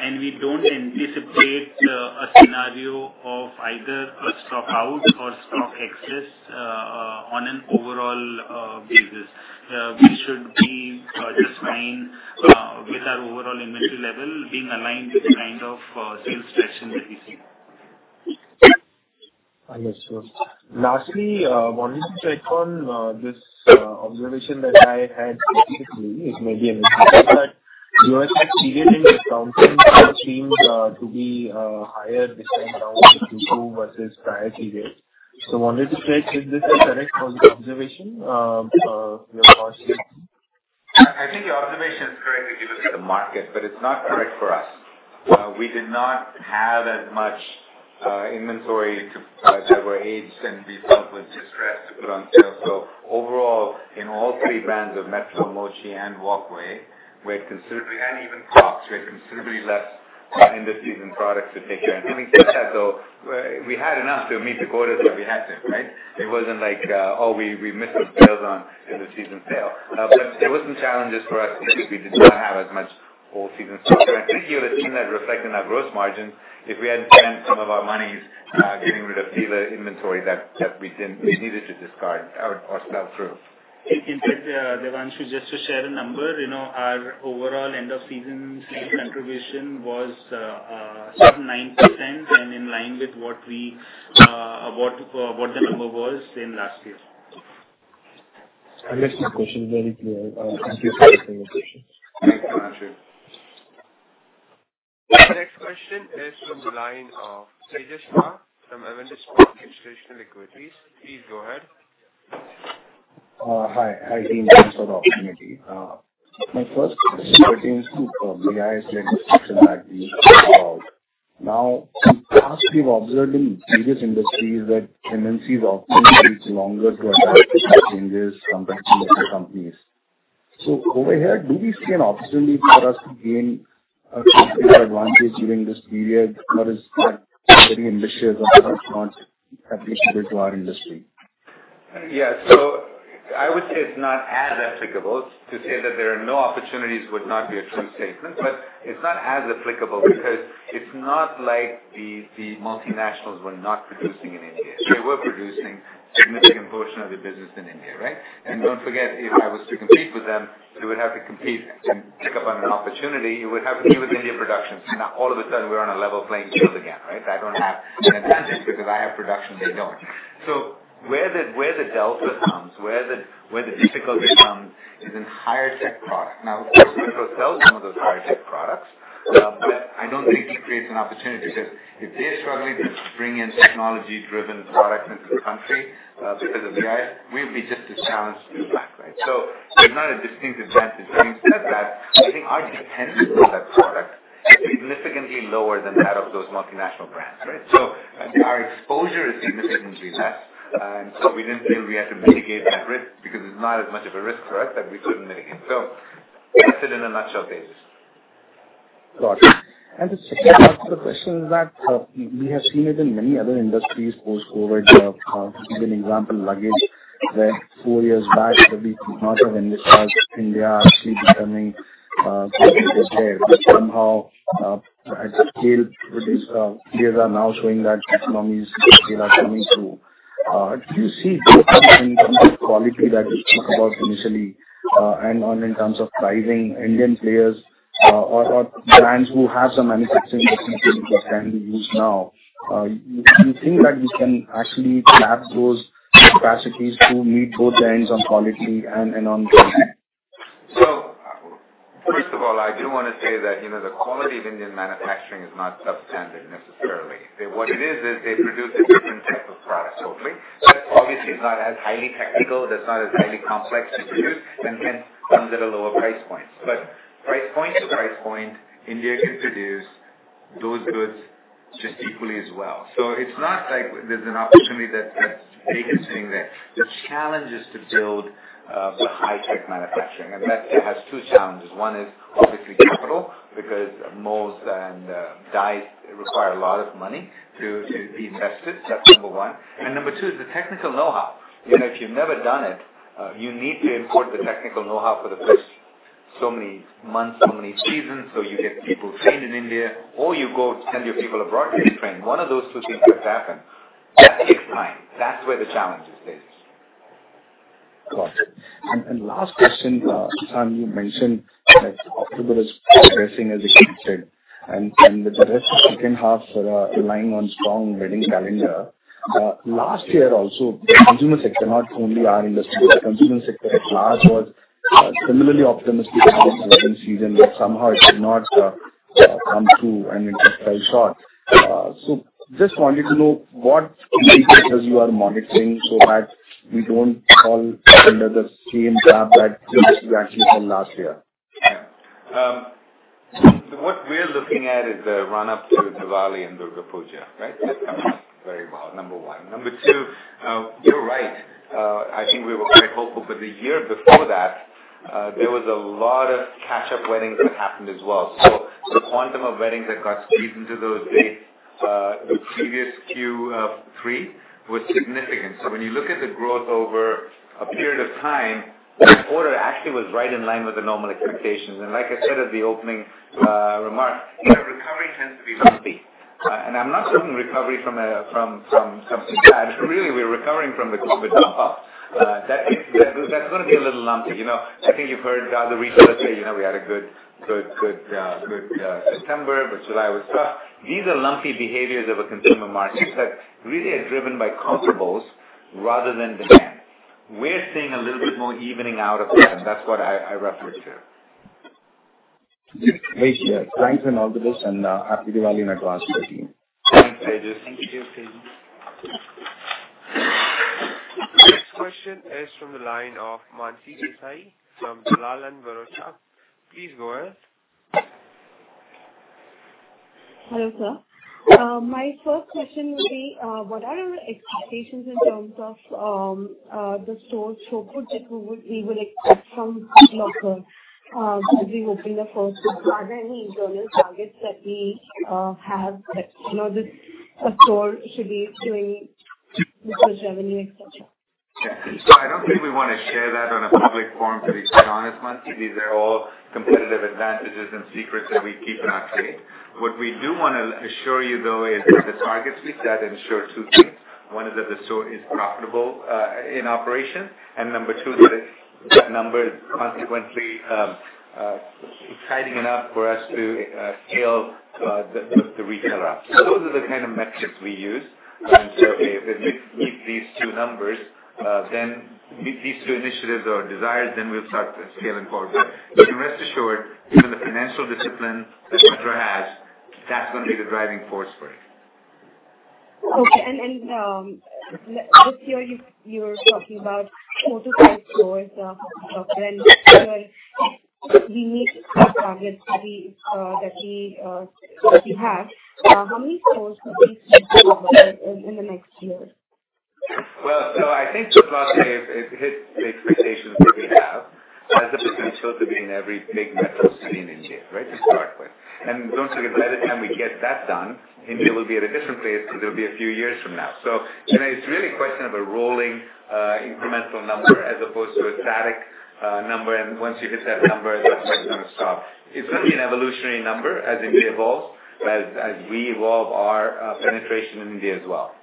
and we don't anticipate a scenario of either a stock out or stock excess on an overall basis. We should be just fine with our overall inventory level being aligned with the kind of sales traction that we see. I guess so. Lastly, wanted to check on this observation that I had basically, it may be a mistake, but you have had period end accounting which seemed to be higher this time around in Q2 versus prior periods. Wanted to check if this is a correct observation from your side. I think the observation is correct if you look at the market, but it's not correct for us. We did not have as much inventory that were aged and we thought was distressed to put on sale. Overall, in all three brands of Metro, Mochi, and Walkway, and even Reebok, we had considerably less end-of-season products to take care of. Having said that, though, we had enough to meet the quotas that we had to. It wasn't like, "Oh, we missed those sales on end-of-season sale." There were some challenges for us because we did not have as much all-season stock. I think you would have seen that reflect in our gross margin if we had spent some of our monies getting rid of dealer inventory that we needed to discard or sell through. In fact, Devanshu, just to share a number, our overall end-of-season sale contribution was sub 9% and in line with what the number was in last year. I guess this question is very clear. Thank you for answering the question. Thanks, Devanshu. The next question is from the line of Tejasva from Avantis Market Research and Equities. Please go ahead. Hi, team. Thanks for the opportunity. My first question pertains to BIS legislation that we spoke about. Now, in the past, we've observed in various industries that tendency is often takes longer to adapt to such changes compared to other companies. Over here, do we see an opportunity for us to gain a competitive advantage during this period? What is getting initiated or not applicable to our industry? Yeah. I would say it's not as applicable. To say that there are no opportunities would not be a true statement, but it's not as applicable because it's not like the multinationals were not producing in India. They were producing a significant portion of their business in India, right? Don't forget, if I was to compete with them, to pick up on an opportunity, you would have to deal with India productions. All of a sudden, we're on a level playing field again, right? I don't have an advantage because I have production they don't. Where the delta comes, where the difficulty comes, is in higher tech product. Of course, Metro sells some of those higher tech products, but I don't think it creates an opportunity because if they're struggling to bring in technology-driven products into the country because of BIS, we'll be just as challenged to do that, right? There's not a distinct advantage. Having said that, I think our dependence on that product is significantly lower than that of those multinational brands, right? Our exposure is significantly less. We didn't feel we had to mitigate that risk because it's not as much of a risk for us that we couldn't mitigate. That's it in a nutshell basis. Got it. The second part of the question is that we have seen it in many other industries post-COVID. To give an example, luggage, where four years back, we could not have envisaged India actually becoming a producer there. Somehow, at scale, producers here are now showing that economies still are coming through. Do you see any quality that you spoke about initially and on in terms of pricing Indian players or brands who have some manufacturing facilities which can be used now, do you think that we can actually tap those capacities to meet both ends on quality and on cost? First of all, I do want to say that the quality of Indian manufacturing is not substandard necessarily. What it is they produce a different type of product. That obviously is not as highly technical, that's not as highly complex to produce, and hence comes at a lower price point. Price point to price point, India can produce those goods just equally as well. It's not like there's an opportunity that's vacant, saying that. The challenge is to build for high-tech manufacturing. Metro has two challenges. One is obviously capital, because molds and dyes require a lot of money to be tested. That's number 1. Number 2 is the technical know-how. If you've never done it, you need to import the technical know-how for the first so many months, so many seasons. You get people trained in India or you go send your people abroad to get trained. One of those two things has to happen. That takes time. That's where the challenge is based. Got it. Last question, San, you mentioned that October is progressing as expected and with the rest of the second half relying on strong wedding calendar. Last year also, the consumer sector, not only our industry, the consumer sector at large was similarly optimistic about this wedding season, but somehow it did not come through and it fell short. Just wanted to know what indicators you are monitoring so that we don't fall under the same trap that you actually fell last year. Yeah. What we're looking at is the run-up to Diwali and Durga Puja, right? Very well, number one. Number two, you're right. I think we were quite hopeful, but the year before that, there was a lot of catch-up weddings that happened as well. The quantum of weddings that got squeezed into those dates, the previous Q3 was significant. When you look at the growth over a period of time, that quarter actually was right in line with the normal expectations. Like I said at the opening remarks, recovery tends to be lumpy. I'm not talking recovery from something bad, but really, we're recovering from the COVID drop-off. That's going to be a little lumpy. I think you've heard the other retailers say, "We had a good September, but July was tough." These are lumpy behaviors of a consumer market that really are driven by comparables rather than demand. We're seeing a little bit more evening out of that, and that's what I referred to. Thanks for answering all of this, and Happy Diwali in advance to the team. Thanks, Tejas. Thank you. Next question is from the line of Mansi Desai from Bank of Baroda. Please go ahead. Hello, sir. My first question would be, what are your expectations in terms of the store throughput that we would expect from Croma as we open the first store? Are there any internal targets that we have that a store should be doing this much revenue, et cetera? I don't think we want to share that on a public forum, to be quite honest, Mansi. These are all competitive advantages and secrets that we keep in our trade. What we do want to assure you, though, is that the targets we set ensure two things. One is that the store is profitable in operation, and number two, that number is consequently exciting enough for us to scale the retail app. Those are the kind of metrics we use. If we meet these two numbers, these two initiatives or desires, then we'll start scaling forward. You can rest assured, given the financial discipline that Metro Brands has, that's going to be the driving force for it. Okay. Just here, you were talking about four to five stores of Croma. When we meet our targets that we have, how many stores would we see Croma in the next year? I think Croma hit the expectations that we have as it was going to be in every big metro city in India, right? To start with. Don't forget, by the time we get that done, India will be at a different place because it'll be a few years from now. It's really a question of a rolling incremental number as opposed to a static number, and once you hit that number, that's when it's going to stop. It's going to be an evolutionary number as India evolves, as we evolve our penetration in India as well.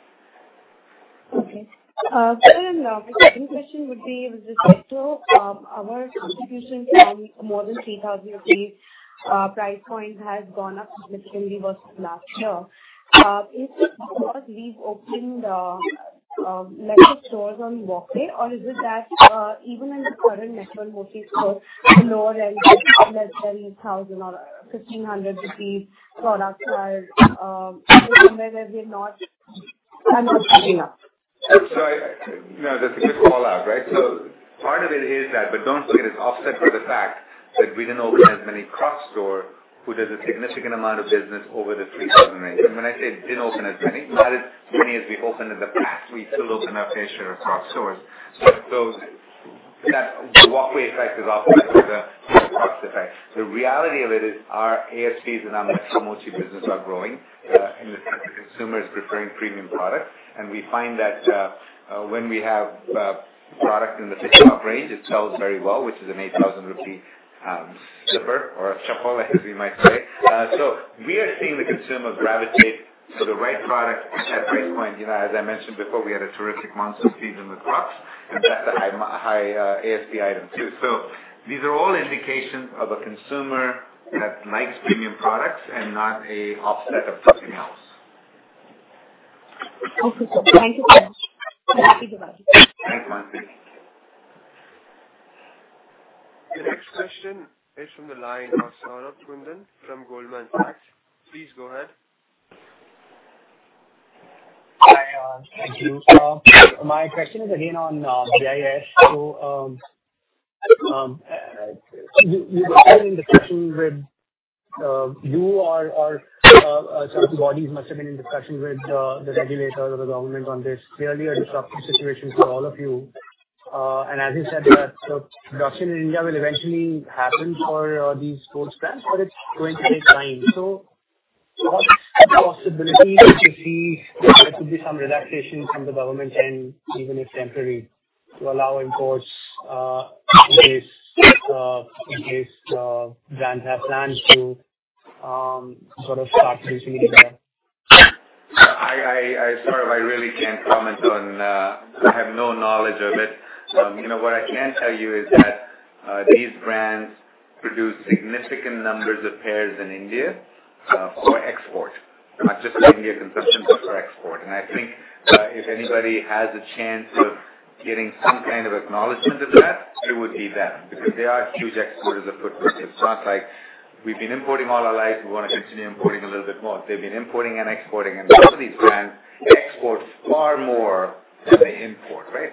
Okay. Sir, the second question would be, our contribution from more than 3,000 rupees price point has gone up significantly versus last year. Is it because we've opened lesser stores on Walkway, or is it that even in the current Metro Multi store, lower than 8,000 or 1,500 rupees products are somewhere that we're not picking up? No, that's a good call-out, right? Part of it is that, don't forget, it's offset by the fact that we didn't open as many Crocs store, who does a significant amount of business over the 3,000 range. When I say didn't open as many, not as many as we opened in the past. We still opened up a share of Crocs stores. That Walkway effect is offset by the Crocs effect. The reality of it is our ASPs in our Metro Multi business are growing in the sense that consumer is preferring premium product. We find that when we have product in the pickup range, it sells very well, which is an 8,000 rupee slipper or a chappal, as we might say. We are seeing the consumer gravitate to the right product at price point. As I mentioned before, we had a terrific monsoon season with Crocs, that's a high ASP item, too. These are all indications of a consumer that likes premium products and not a offset of something else. Okay, sir. Thank you very much. Happy Diwali. Thanks, Mansi. The next question is from the line of Saurabh Patwa from Goldman Sachs. Please go ahead. Hi. Thank you. My question is again on BIS. You were having discussions with You or certain bodies must have been in discussion with the regulator or the government on this. Clearly a disruptive situation for all of you. As you said that production in India will eventually happen for these sports brands, but it's going to take time. What possibility do you see there could be some relaxation from the government, and even if temporary, to allow imports in case brands have plans to sort of start producing in India? I really can't comment. I have no knowledge of it. What I can tell you is that these brands produce significant numbers of pairs in India for export, not just for Indian consumption, but for export. I think if anybody has a chance of getting some kind of acknowledgement of that, it would be them, because they are huge exporters of footwear. It's not like we've been importing all our life, we want to continue importing a little bit more. They've been importing and exporting, and most of these brands export far more than they import, right?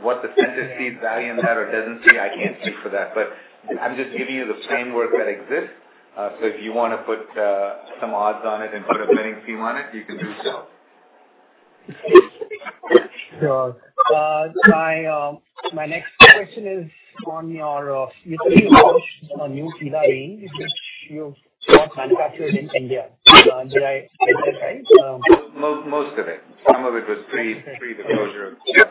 What the Centre sees value in that or doesn't see, I can't speak for that, but I'm just giving you the framework that exists. If you want to put some odds on it and put a betting team on it, you can do so. My next question is on your recently launched new FILA range, which you've got manufactured in India. Did I get that right? Most of it. Some of it was pre the closure of Okay.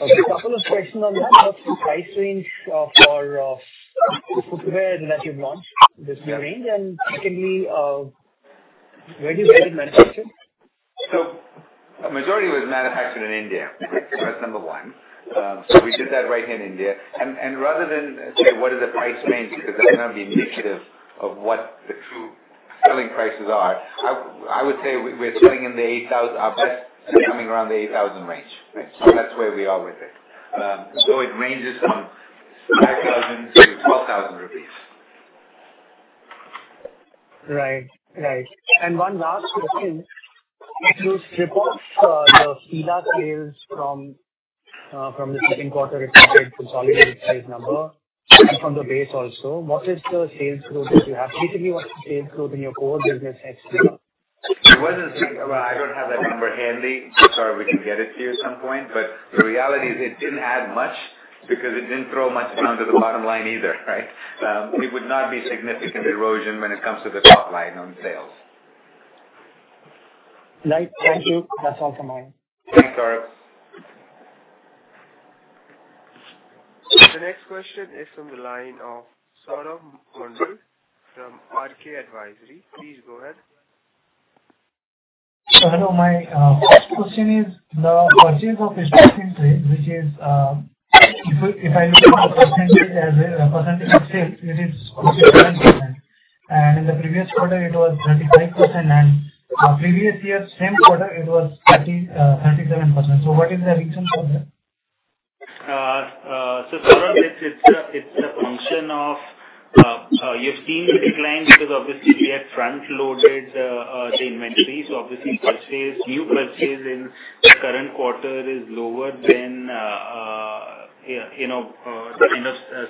A couple of questions on that. What's the price range for the footwear that you've launched, this new range? Secondly, where is it manufactured? A majority was manufactured in India. That's number one. We did that right here in India. Rather than say, what is the price range, because that's going to be indicative of what the true selling prices are, I would say our best are coming around the 8,000 range. That's where we are with it. It ranges from 5,000 to 12,000 rupees. Right. One last question. You stripped off the FILA sales from the second quarter reported consolidated sales number and from the base also. What is the sales growth that you have? Typically, what's the sales growth in your core business, excluding FILA? It wasn't zero. Well, I don't have that number handy, sorry, we can get it to you at some point. The reality is it didn't add much because it didn't throw much down to the bottom line either, right? It would not be significant erosion when it comes to the top line on sales. Right. Thank you. That's all from my end. Thanks, Gaurav. The next question is from the line of Saurabh Munjal from RK Advisory. Please go ahead. Hello, my first question is the purchase of goods being trade, which is, if I look at the percentage of sales, it is 50%. In the previous quarter, it was 35%, and previous year same quarter it was 37%. What is the reason for that? Saurabh, it's a function of, you've seen the decline because obviously we had front-loaded the inventories. Obviously, new purchase in the current quarter is lower than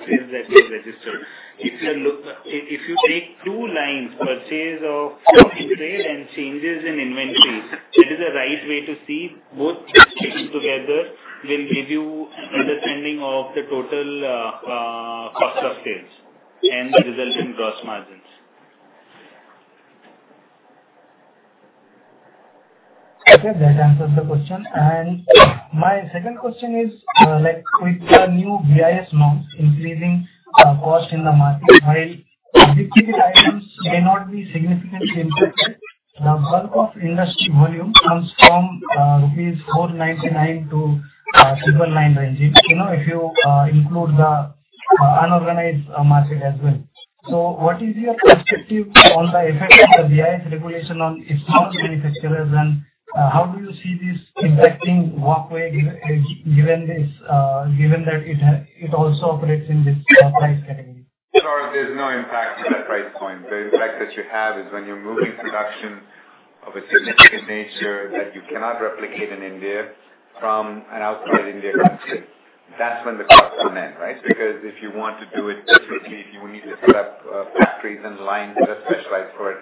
sales that we have registered. If you take two lines, purchase of goods being trade and changes in inventories, it is a right way to see both together will give you an understanding of the total cost of sales and the result in gross margins. Okay. That answers the question. My second question is, with the new BIS norms increasing cost in the market, while the ticket items may not be significantly impacted, the bulk of industry volume comes from 499-999 rupees range, if you include the unorganized market as well. What is your perspective on the effect of the BIS regulation on its small manufacturers and how do you see this impacting Walkway given that it also operates in this price category? Saurabh, there's no impact on that price point. The impact that you have is when you're moving production of a significant nature that you cannot replicate in India from an outside India entity. That's when the costs come in, right? Because if you want to do it differently, if you need to set up factories and lines that are specialized for it,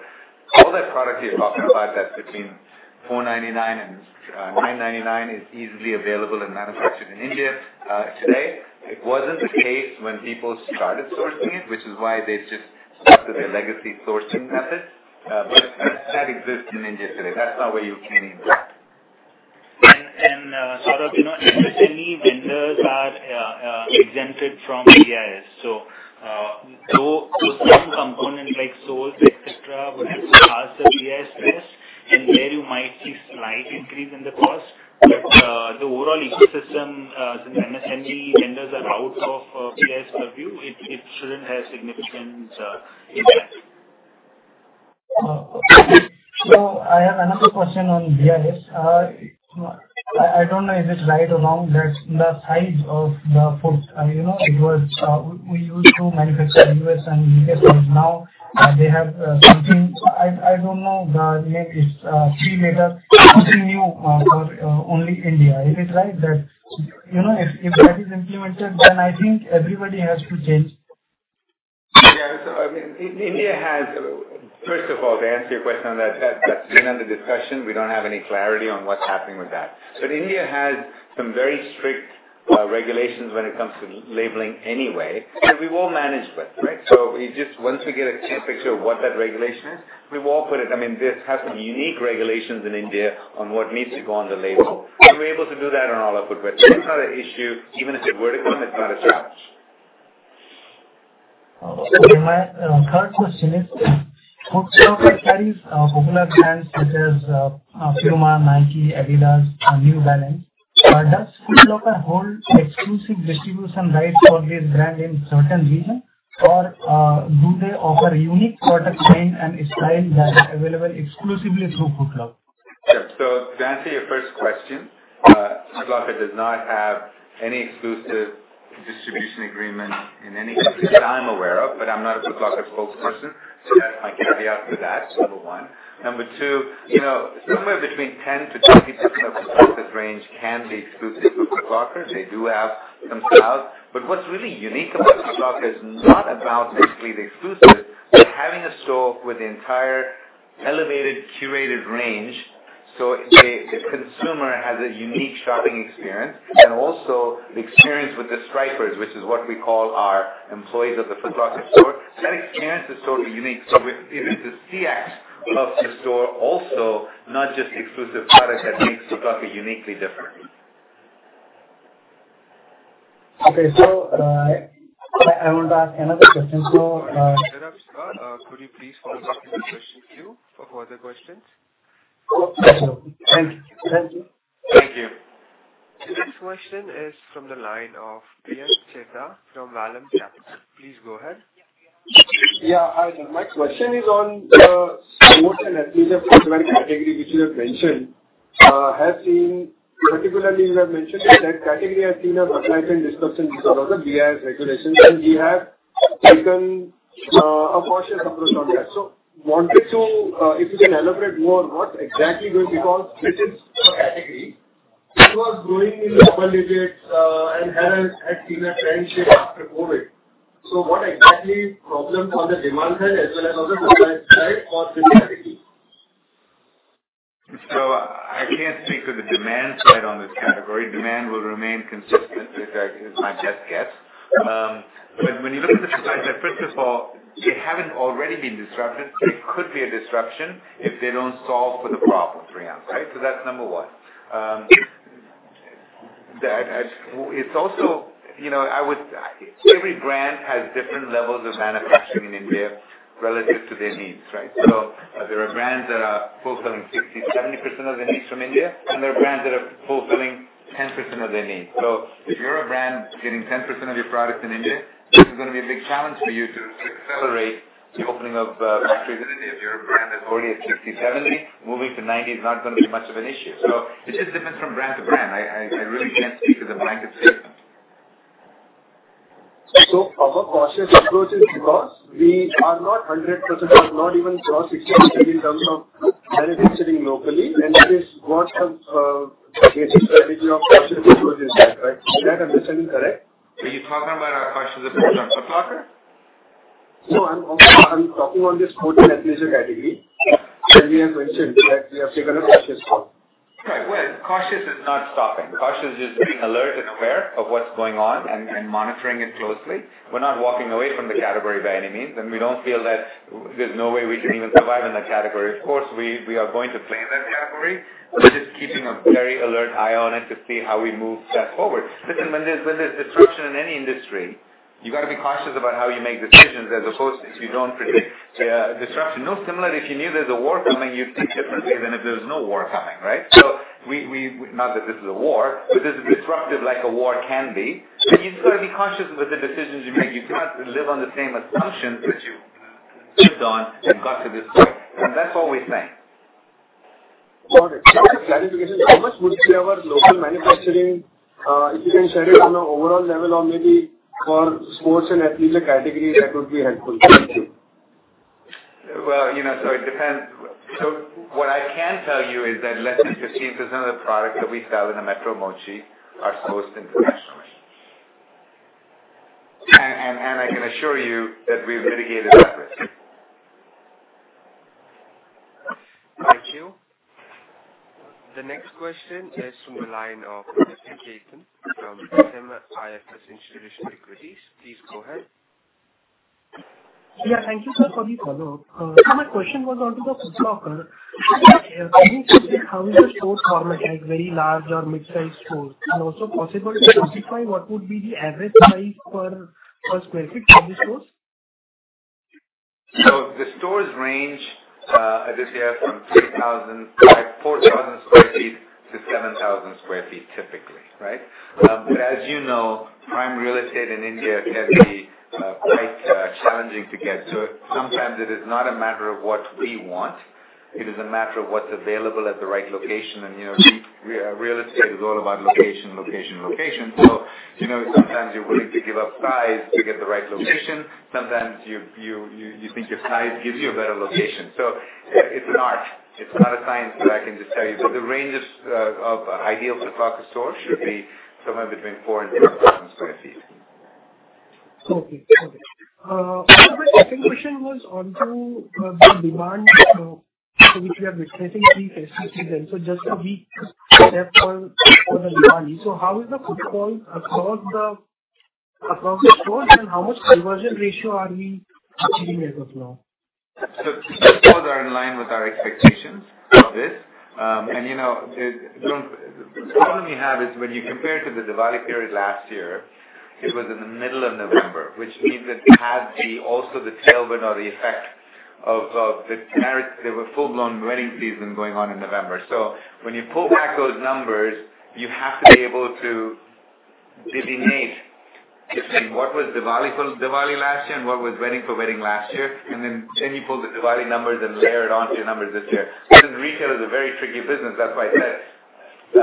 all that product you're talking about, that's between 499 and 999 is easily available and manufactured in India today. It wasn't the case when people started sourcing it, which is why they just stuck to their legacy sourcing methods. That exists in India today. That's not where you're planning to go. Saurabh, many vendors are exempted from BIS. Some components like soles, et cetera, would have to pass the BIS test, and there you might see slight increase in the cost. The overall ecosystem, since many vendors are out of BIS review, it shouldn't have significant impact. Okay. I have another question on BIS. I don't know is it right or wrong, that the size of the foot, we used to manufacture U.S. and U.K. size. Now they have something, I don't know the name, it's three letters, something new for only India. Is it right that, if that is implemented, I think everybody has to change. Yeah. First of all, to answer your question on that's been under discussion. We don't have any clarity on what's happening with that. India has some very strict regulations when it comes to labeling anyway, and we've all managed with, right? Once we get a clear picture of what that regulation is, we will put it. This has some unique regulations in India on what needs to go on the label, and we're able to do that on all our footwear. It's not an issue. Even if it were to come, it's not a challenge. My third question is, Foot Locker carries popular brands such as Puma, Nike, Adidas, and New Balance. Does Foot Locker hold exclusive distribution rights for these brands in certain regions, or do they offer a unique product range and style that is available exclusively through Foot Locker? Sure. To answer your first question, Foot Locker does not have any exclusive distribution agreement in any region that I'm aware of, but I'm not a Foot Locker spokesperson, so I can't help you out with that, number one. Number two, somewhere between 10%-20% of the Foot Locker range can be exclusive with Foot Locker. They do have some styles. What's really unique about Foot Locker is not about basically the exclusives, but having a store with the entire elevated, curated range so the consumer has a unique shopping experience. Also the experience with the Stripers, which is what we call our employees of the Foot Locker store. That experience is totally unique. It is the CX of the store also, not just exclusive product that makes Foot Locker uniquely different. Okay. I want to ask another question. Could you please hold the line for a few for further questions? Thank you. Thank you. The next question is from the line of Percy Panthaki from Vallabhi Capital. Please go ahead. Yeah. Hi, my question is on the sports and leisure category, which you have mentioned. Particularly, you have mentioned that that category has seen a supply chain disruption because of the BIS regulations, and we have taken a cautious approach on that. If you can elaborate more, what exactly going to be cause? It is a category. It was growing in double digits, and had seen a trend shift after COVID. What exactly problem on the demand side as well as on the supply side for this category? I can't speak to the demand side on this category. Demand will remain consistent is my best guess. When you look at the supply side, first of all, they haven't already been disrupted. They could be a disruption if they don't solve for the problem, Percy. That's number one. Every brand has different levels of manufacturing in India relative to their needs. There are brands that are fulfilling 60%-70% of their needs from India, and there are brands that are fulfilling 10% of their needs. If you're a brand getting 10% of your product in India, this is going to be a big challenge for you to accelerate the opening of factories in India. If you're a brand that's already at 60%-70%, moving to 90% is not going to be much of an issue. It just depends from brand to brand. I really can't speak with a blanket statement. Our cautious approach is because we are not 100%, not even close, 60%-70% in terms of manufacturing locally, and it is what basic strategy of cautious approach is that, right? Is that understanding correct? Are you talking about our cautious approach as Foot Locker? No, I'm talking on the sports and leisure category, where we have mentioned that we have taken a cautious call. Right. Well, cautious is not stopping. Cautious is being alert and aware of what's going on and monitoring it closely. We're not walking away from the category by any means. We don't feel that there's no way we can even survive in that category. Of course, we are going to play in that category. We're just keeping a very alert eye on it to see how we move that forward. Listen, when there's disruption in any industry, you got to be cautious about how you make decisions as opposed to if you don't predict disruption. No, similar if you knew there's a war coming, you'd think differently than if there was no war coming, right? Not that this is a war, but this is disruptive like a war can be. You just got to be cautious with the decisions you make. You can't live on the same assumptions that you lived on that got to this point. That's all we're saying. Got it. Just clarification, how much would be our local manufacturing? If you can share it on an overall level or maybe for sports and leisure category, that would be helpful. Thank you. It depends. What I can tell you is that less than 15% of the product that we sell in the Mochi are sourced internationally. I can assure you that we've mitigated that risk. Thank you. The next question is from the line of Jignesh Desai from SMIFS Institutional Equities. Please go ahead. Thank you, sir, for the follow-up. My question was on to the Foot Locker. How is your store format as very large or midsize stores? Also possible to quantify what would be the average price per sq ft for these stores? The stores range, Jignesh, from 3,000, 4,000 sq ft to 7,000 sq ft, typically. As you know, prime real estate in India can be quite challenging to get to. Sometimes it is not a matter of what we want. It is a matter of what's available at the right location. Real estate is all about location, location. Sometimes you're willing to give up size to get the right location. Sometimes you think your size gives you a better location. It's an art. It's not a science that I can just tell you. The range of ideal Foot Locker stores should be somewhere between 4,000 and 7,000 sq ft. My second question was on to the demand, which we are witnessing pre-festive season. Just a week left for Diwali. How is the footfall across the stores, and how much conversion ratio are we achieving as of now? Those are in line with our expectations of this. The problem you have is when you compare to the Diwali period last year, it was in the middle of November, which means it had also the tailwind or the effect of the full-blown wedding season going on in November. When you pull back those numbers, you have to be able to delineate between what was Diwali for Diwali last year and what was wedding for wedding last year. You pull the Diwali numbers and layer it onto your numbers this year. Retail is a very tricky business. That's why I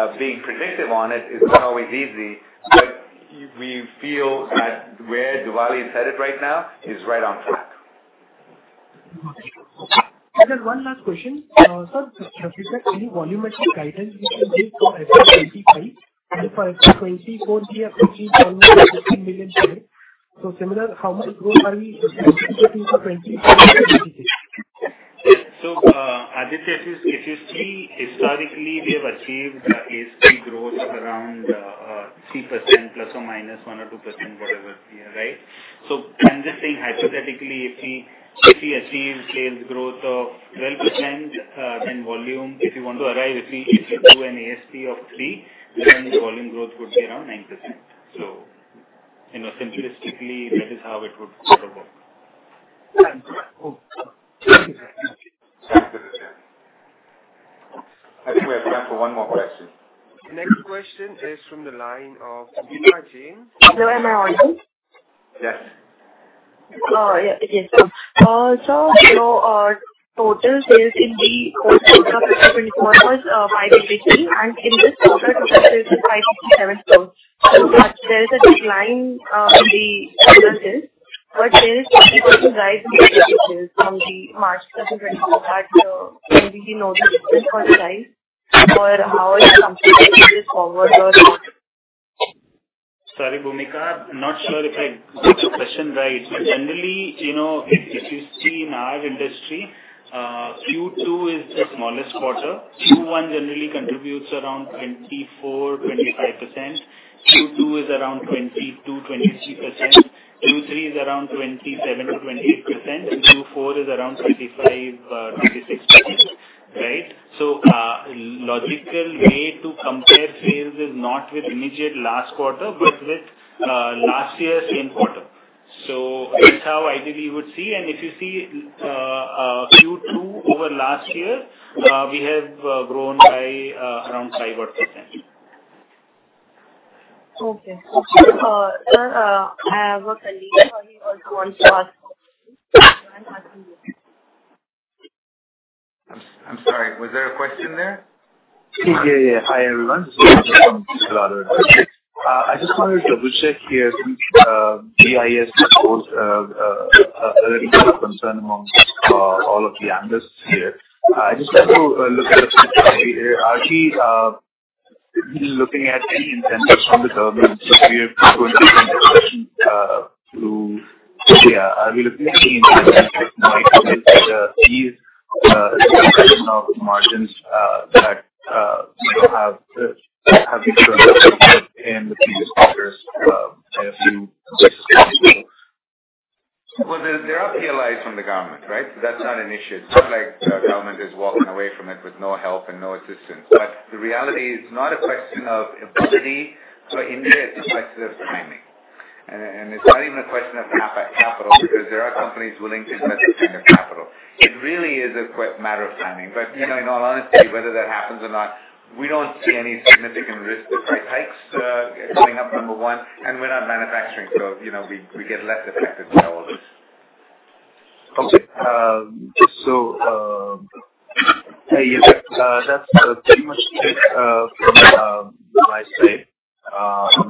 said, being predictive on it is not always easy. We feel that where Diwali is headed right now is right on track. Okay. Sir, one last question. Sir, just to check, any volumetric guidance you can give for FY 2025? For FY 2024, we have 15 million share. Similar, how much growth are we expecting for 2025? Aditi, if you see, historically, we have achieved ASP growth of around 3% plus or minus 1% or 2%, whatever. Right? I'm just saying hypothetically, if we achieve sales growth of 12%, then volume, if you want to arrive, if we do an ASP of 3%, then volume growth would be around 9%. Simplistically, that is how it would sort of work. Thank you. Thanks, Aditya. I think we have time for one more question. The next question is from the line of Bhumika Jain. Hello, am I on? Yes. Yeah, it is. Sir, your total sales in the quarter March 2024 was 515 and in this quarter your sales is 567 crores. There is a decline in the total sales. What is the reason behind the decline in sales from the March 2024 quarter? Can we know the reason for the decline or how is the company looking this forward? Sorry, Bhumika, not sure if I got your question right. Generally, if you see in our industry, Q2 is the smallest quarter. Q1 generally contributes around 24%-25%. Q2 is around 22%-23%. Q3 is around 27%-28%. Q4 is around 35%-36%. Right? Logical way to compare sales is not with immediate last quarter, but with last year's same quarter. That's how ideally you would see, and if you see Q2 over last year, we have grown by around 5 odd %. Okay. Sir, I have a colleague who also wants to ask a question. I'm sorry, was there a question there? Yeah. Hi, everyone.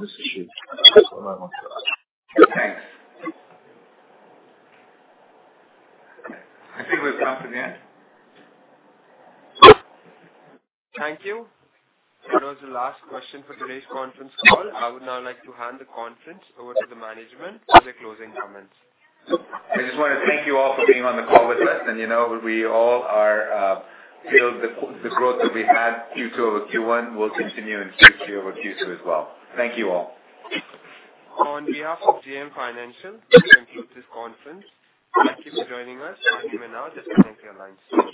This is from Thanks. I think we've come to the end. Thank you. That was the last question for today's conference call. I would now like to hand the conference over to the management for their closing comments. I just want to thank you all for being on the call with us. We all feel the growth that we had Q2 over Q1 will continue in Q3 over Q2 as well. Thank you all. On behalf of JM Financial, we conclude this conference. Thank you for joining us, and you may now disconnect your lines.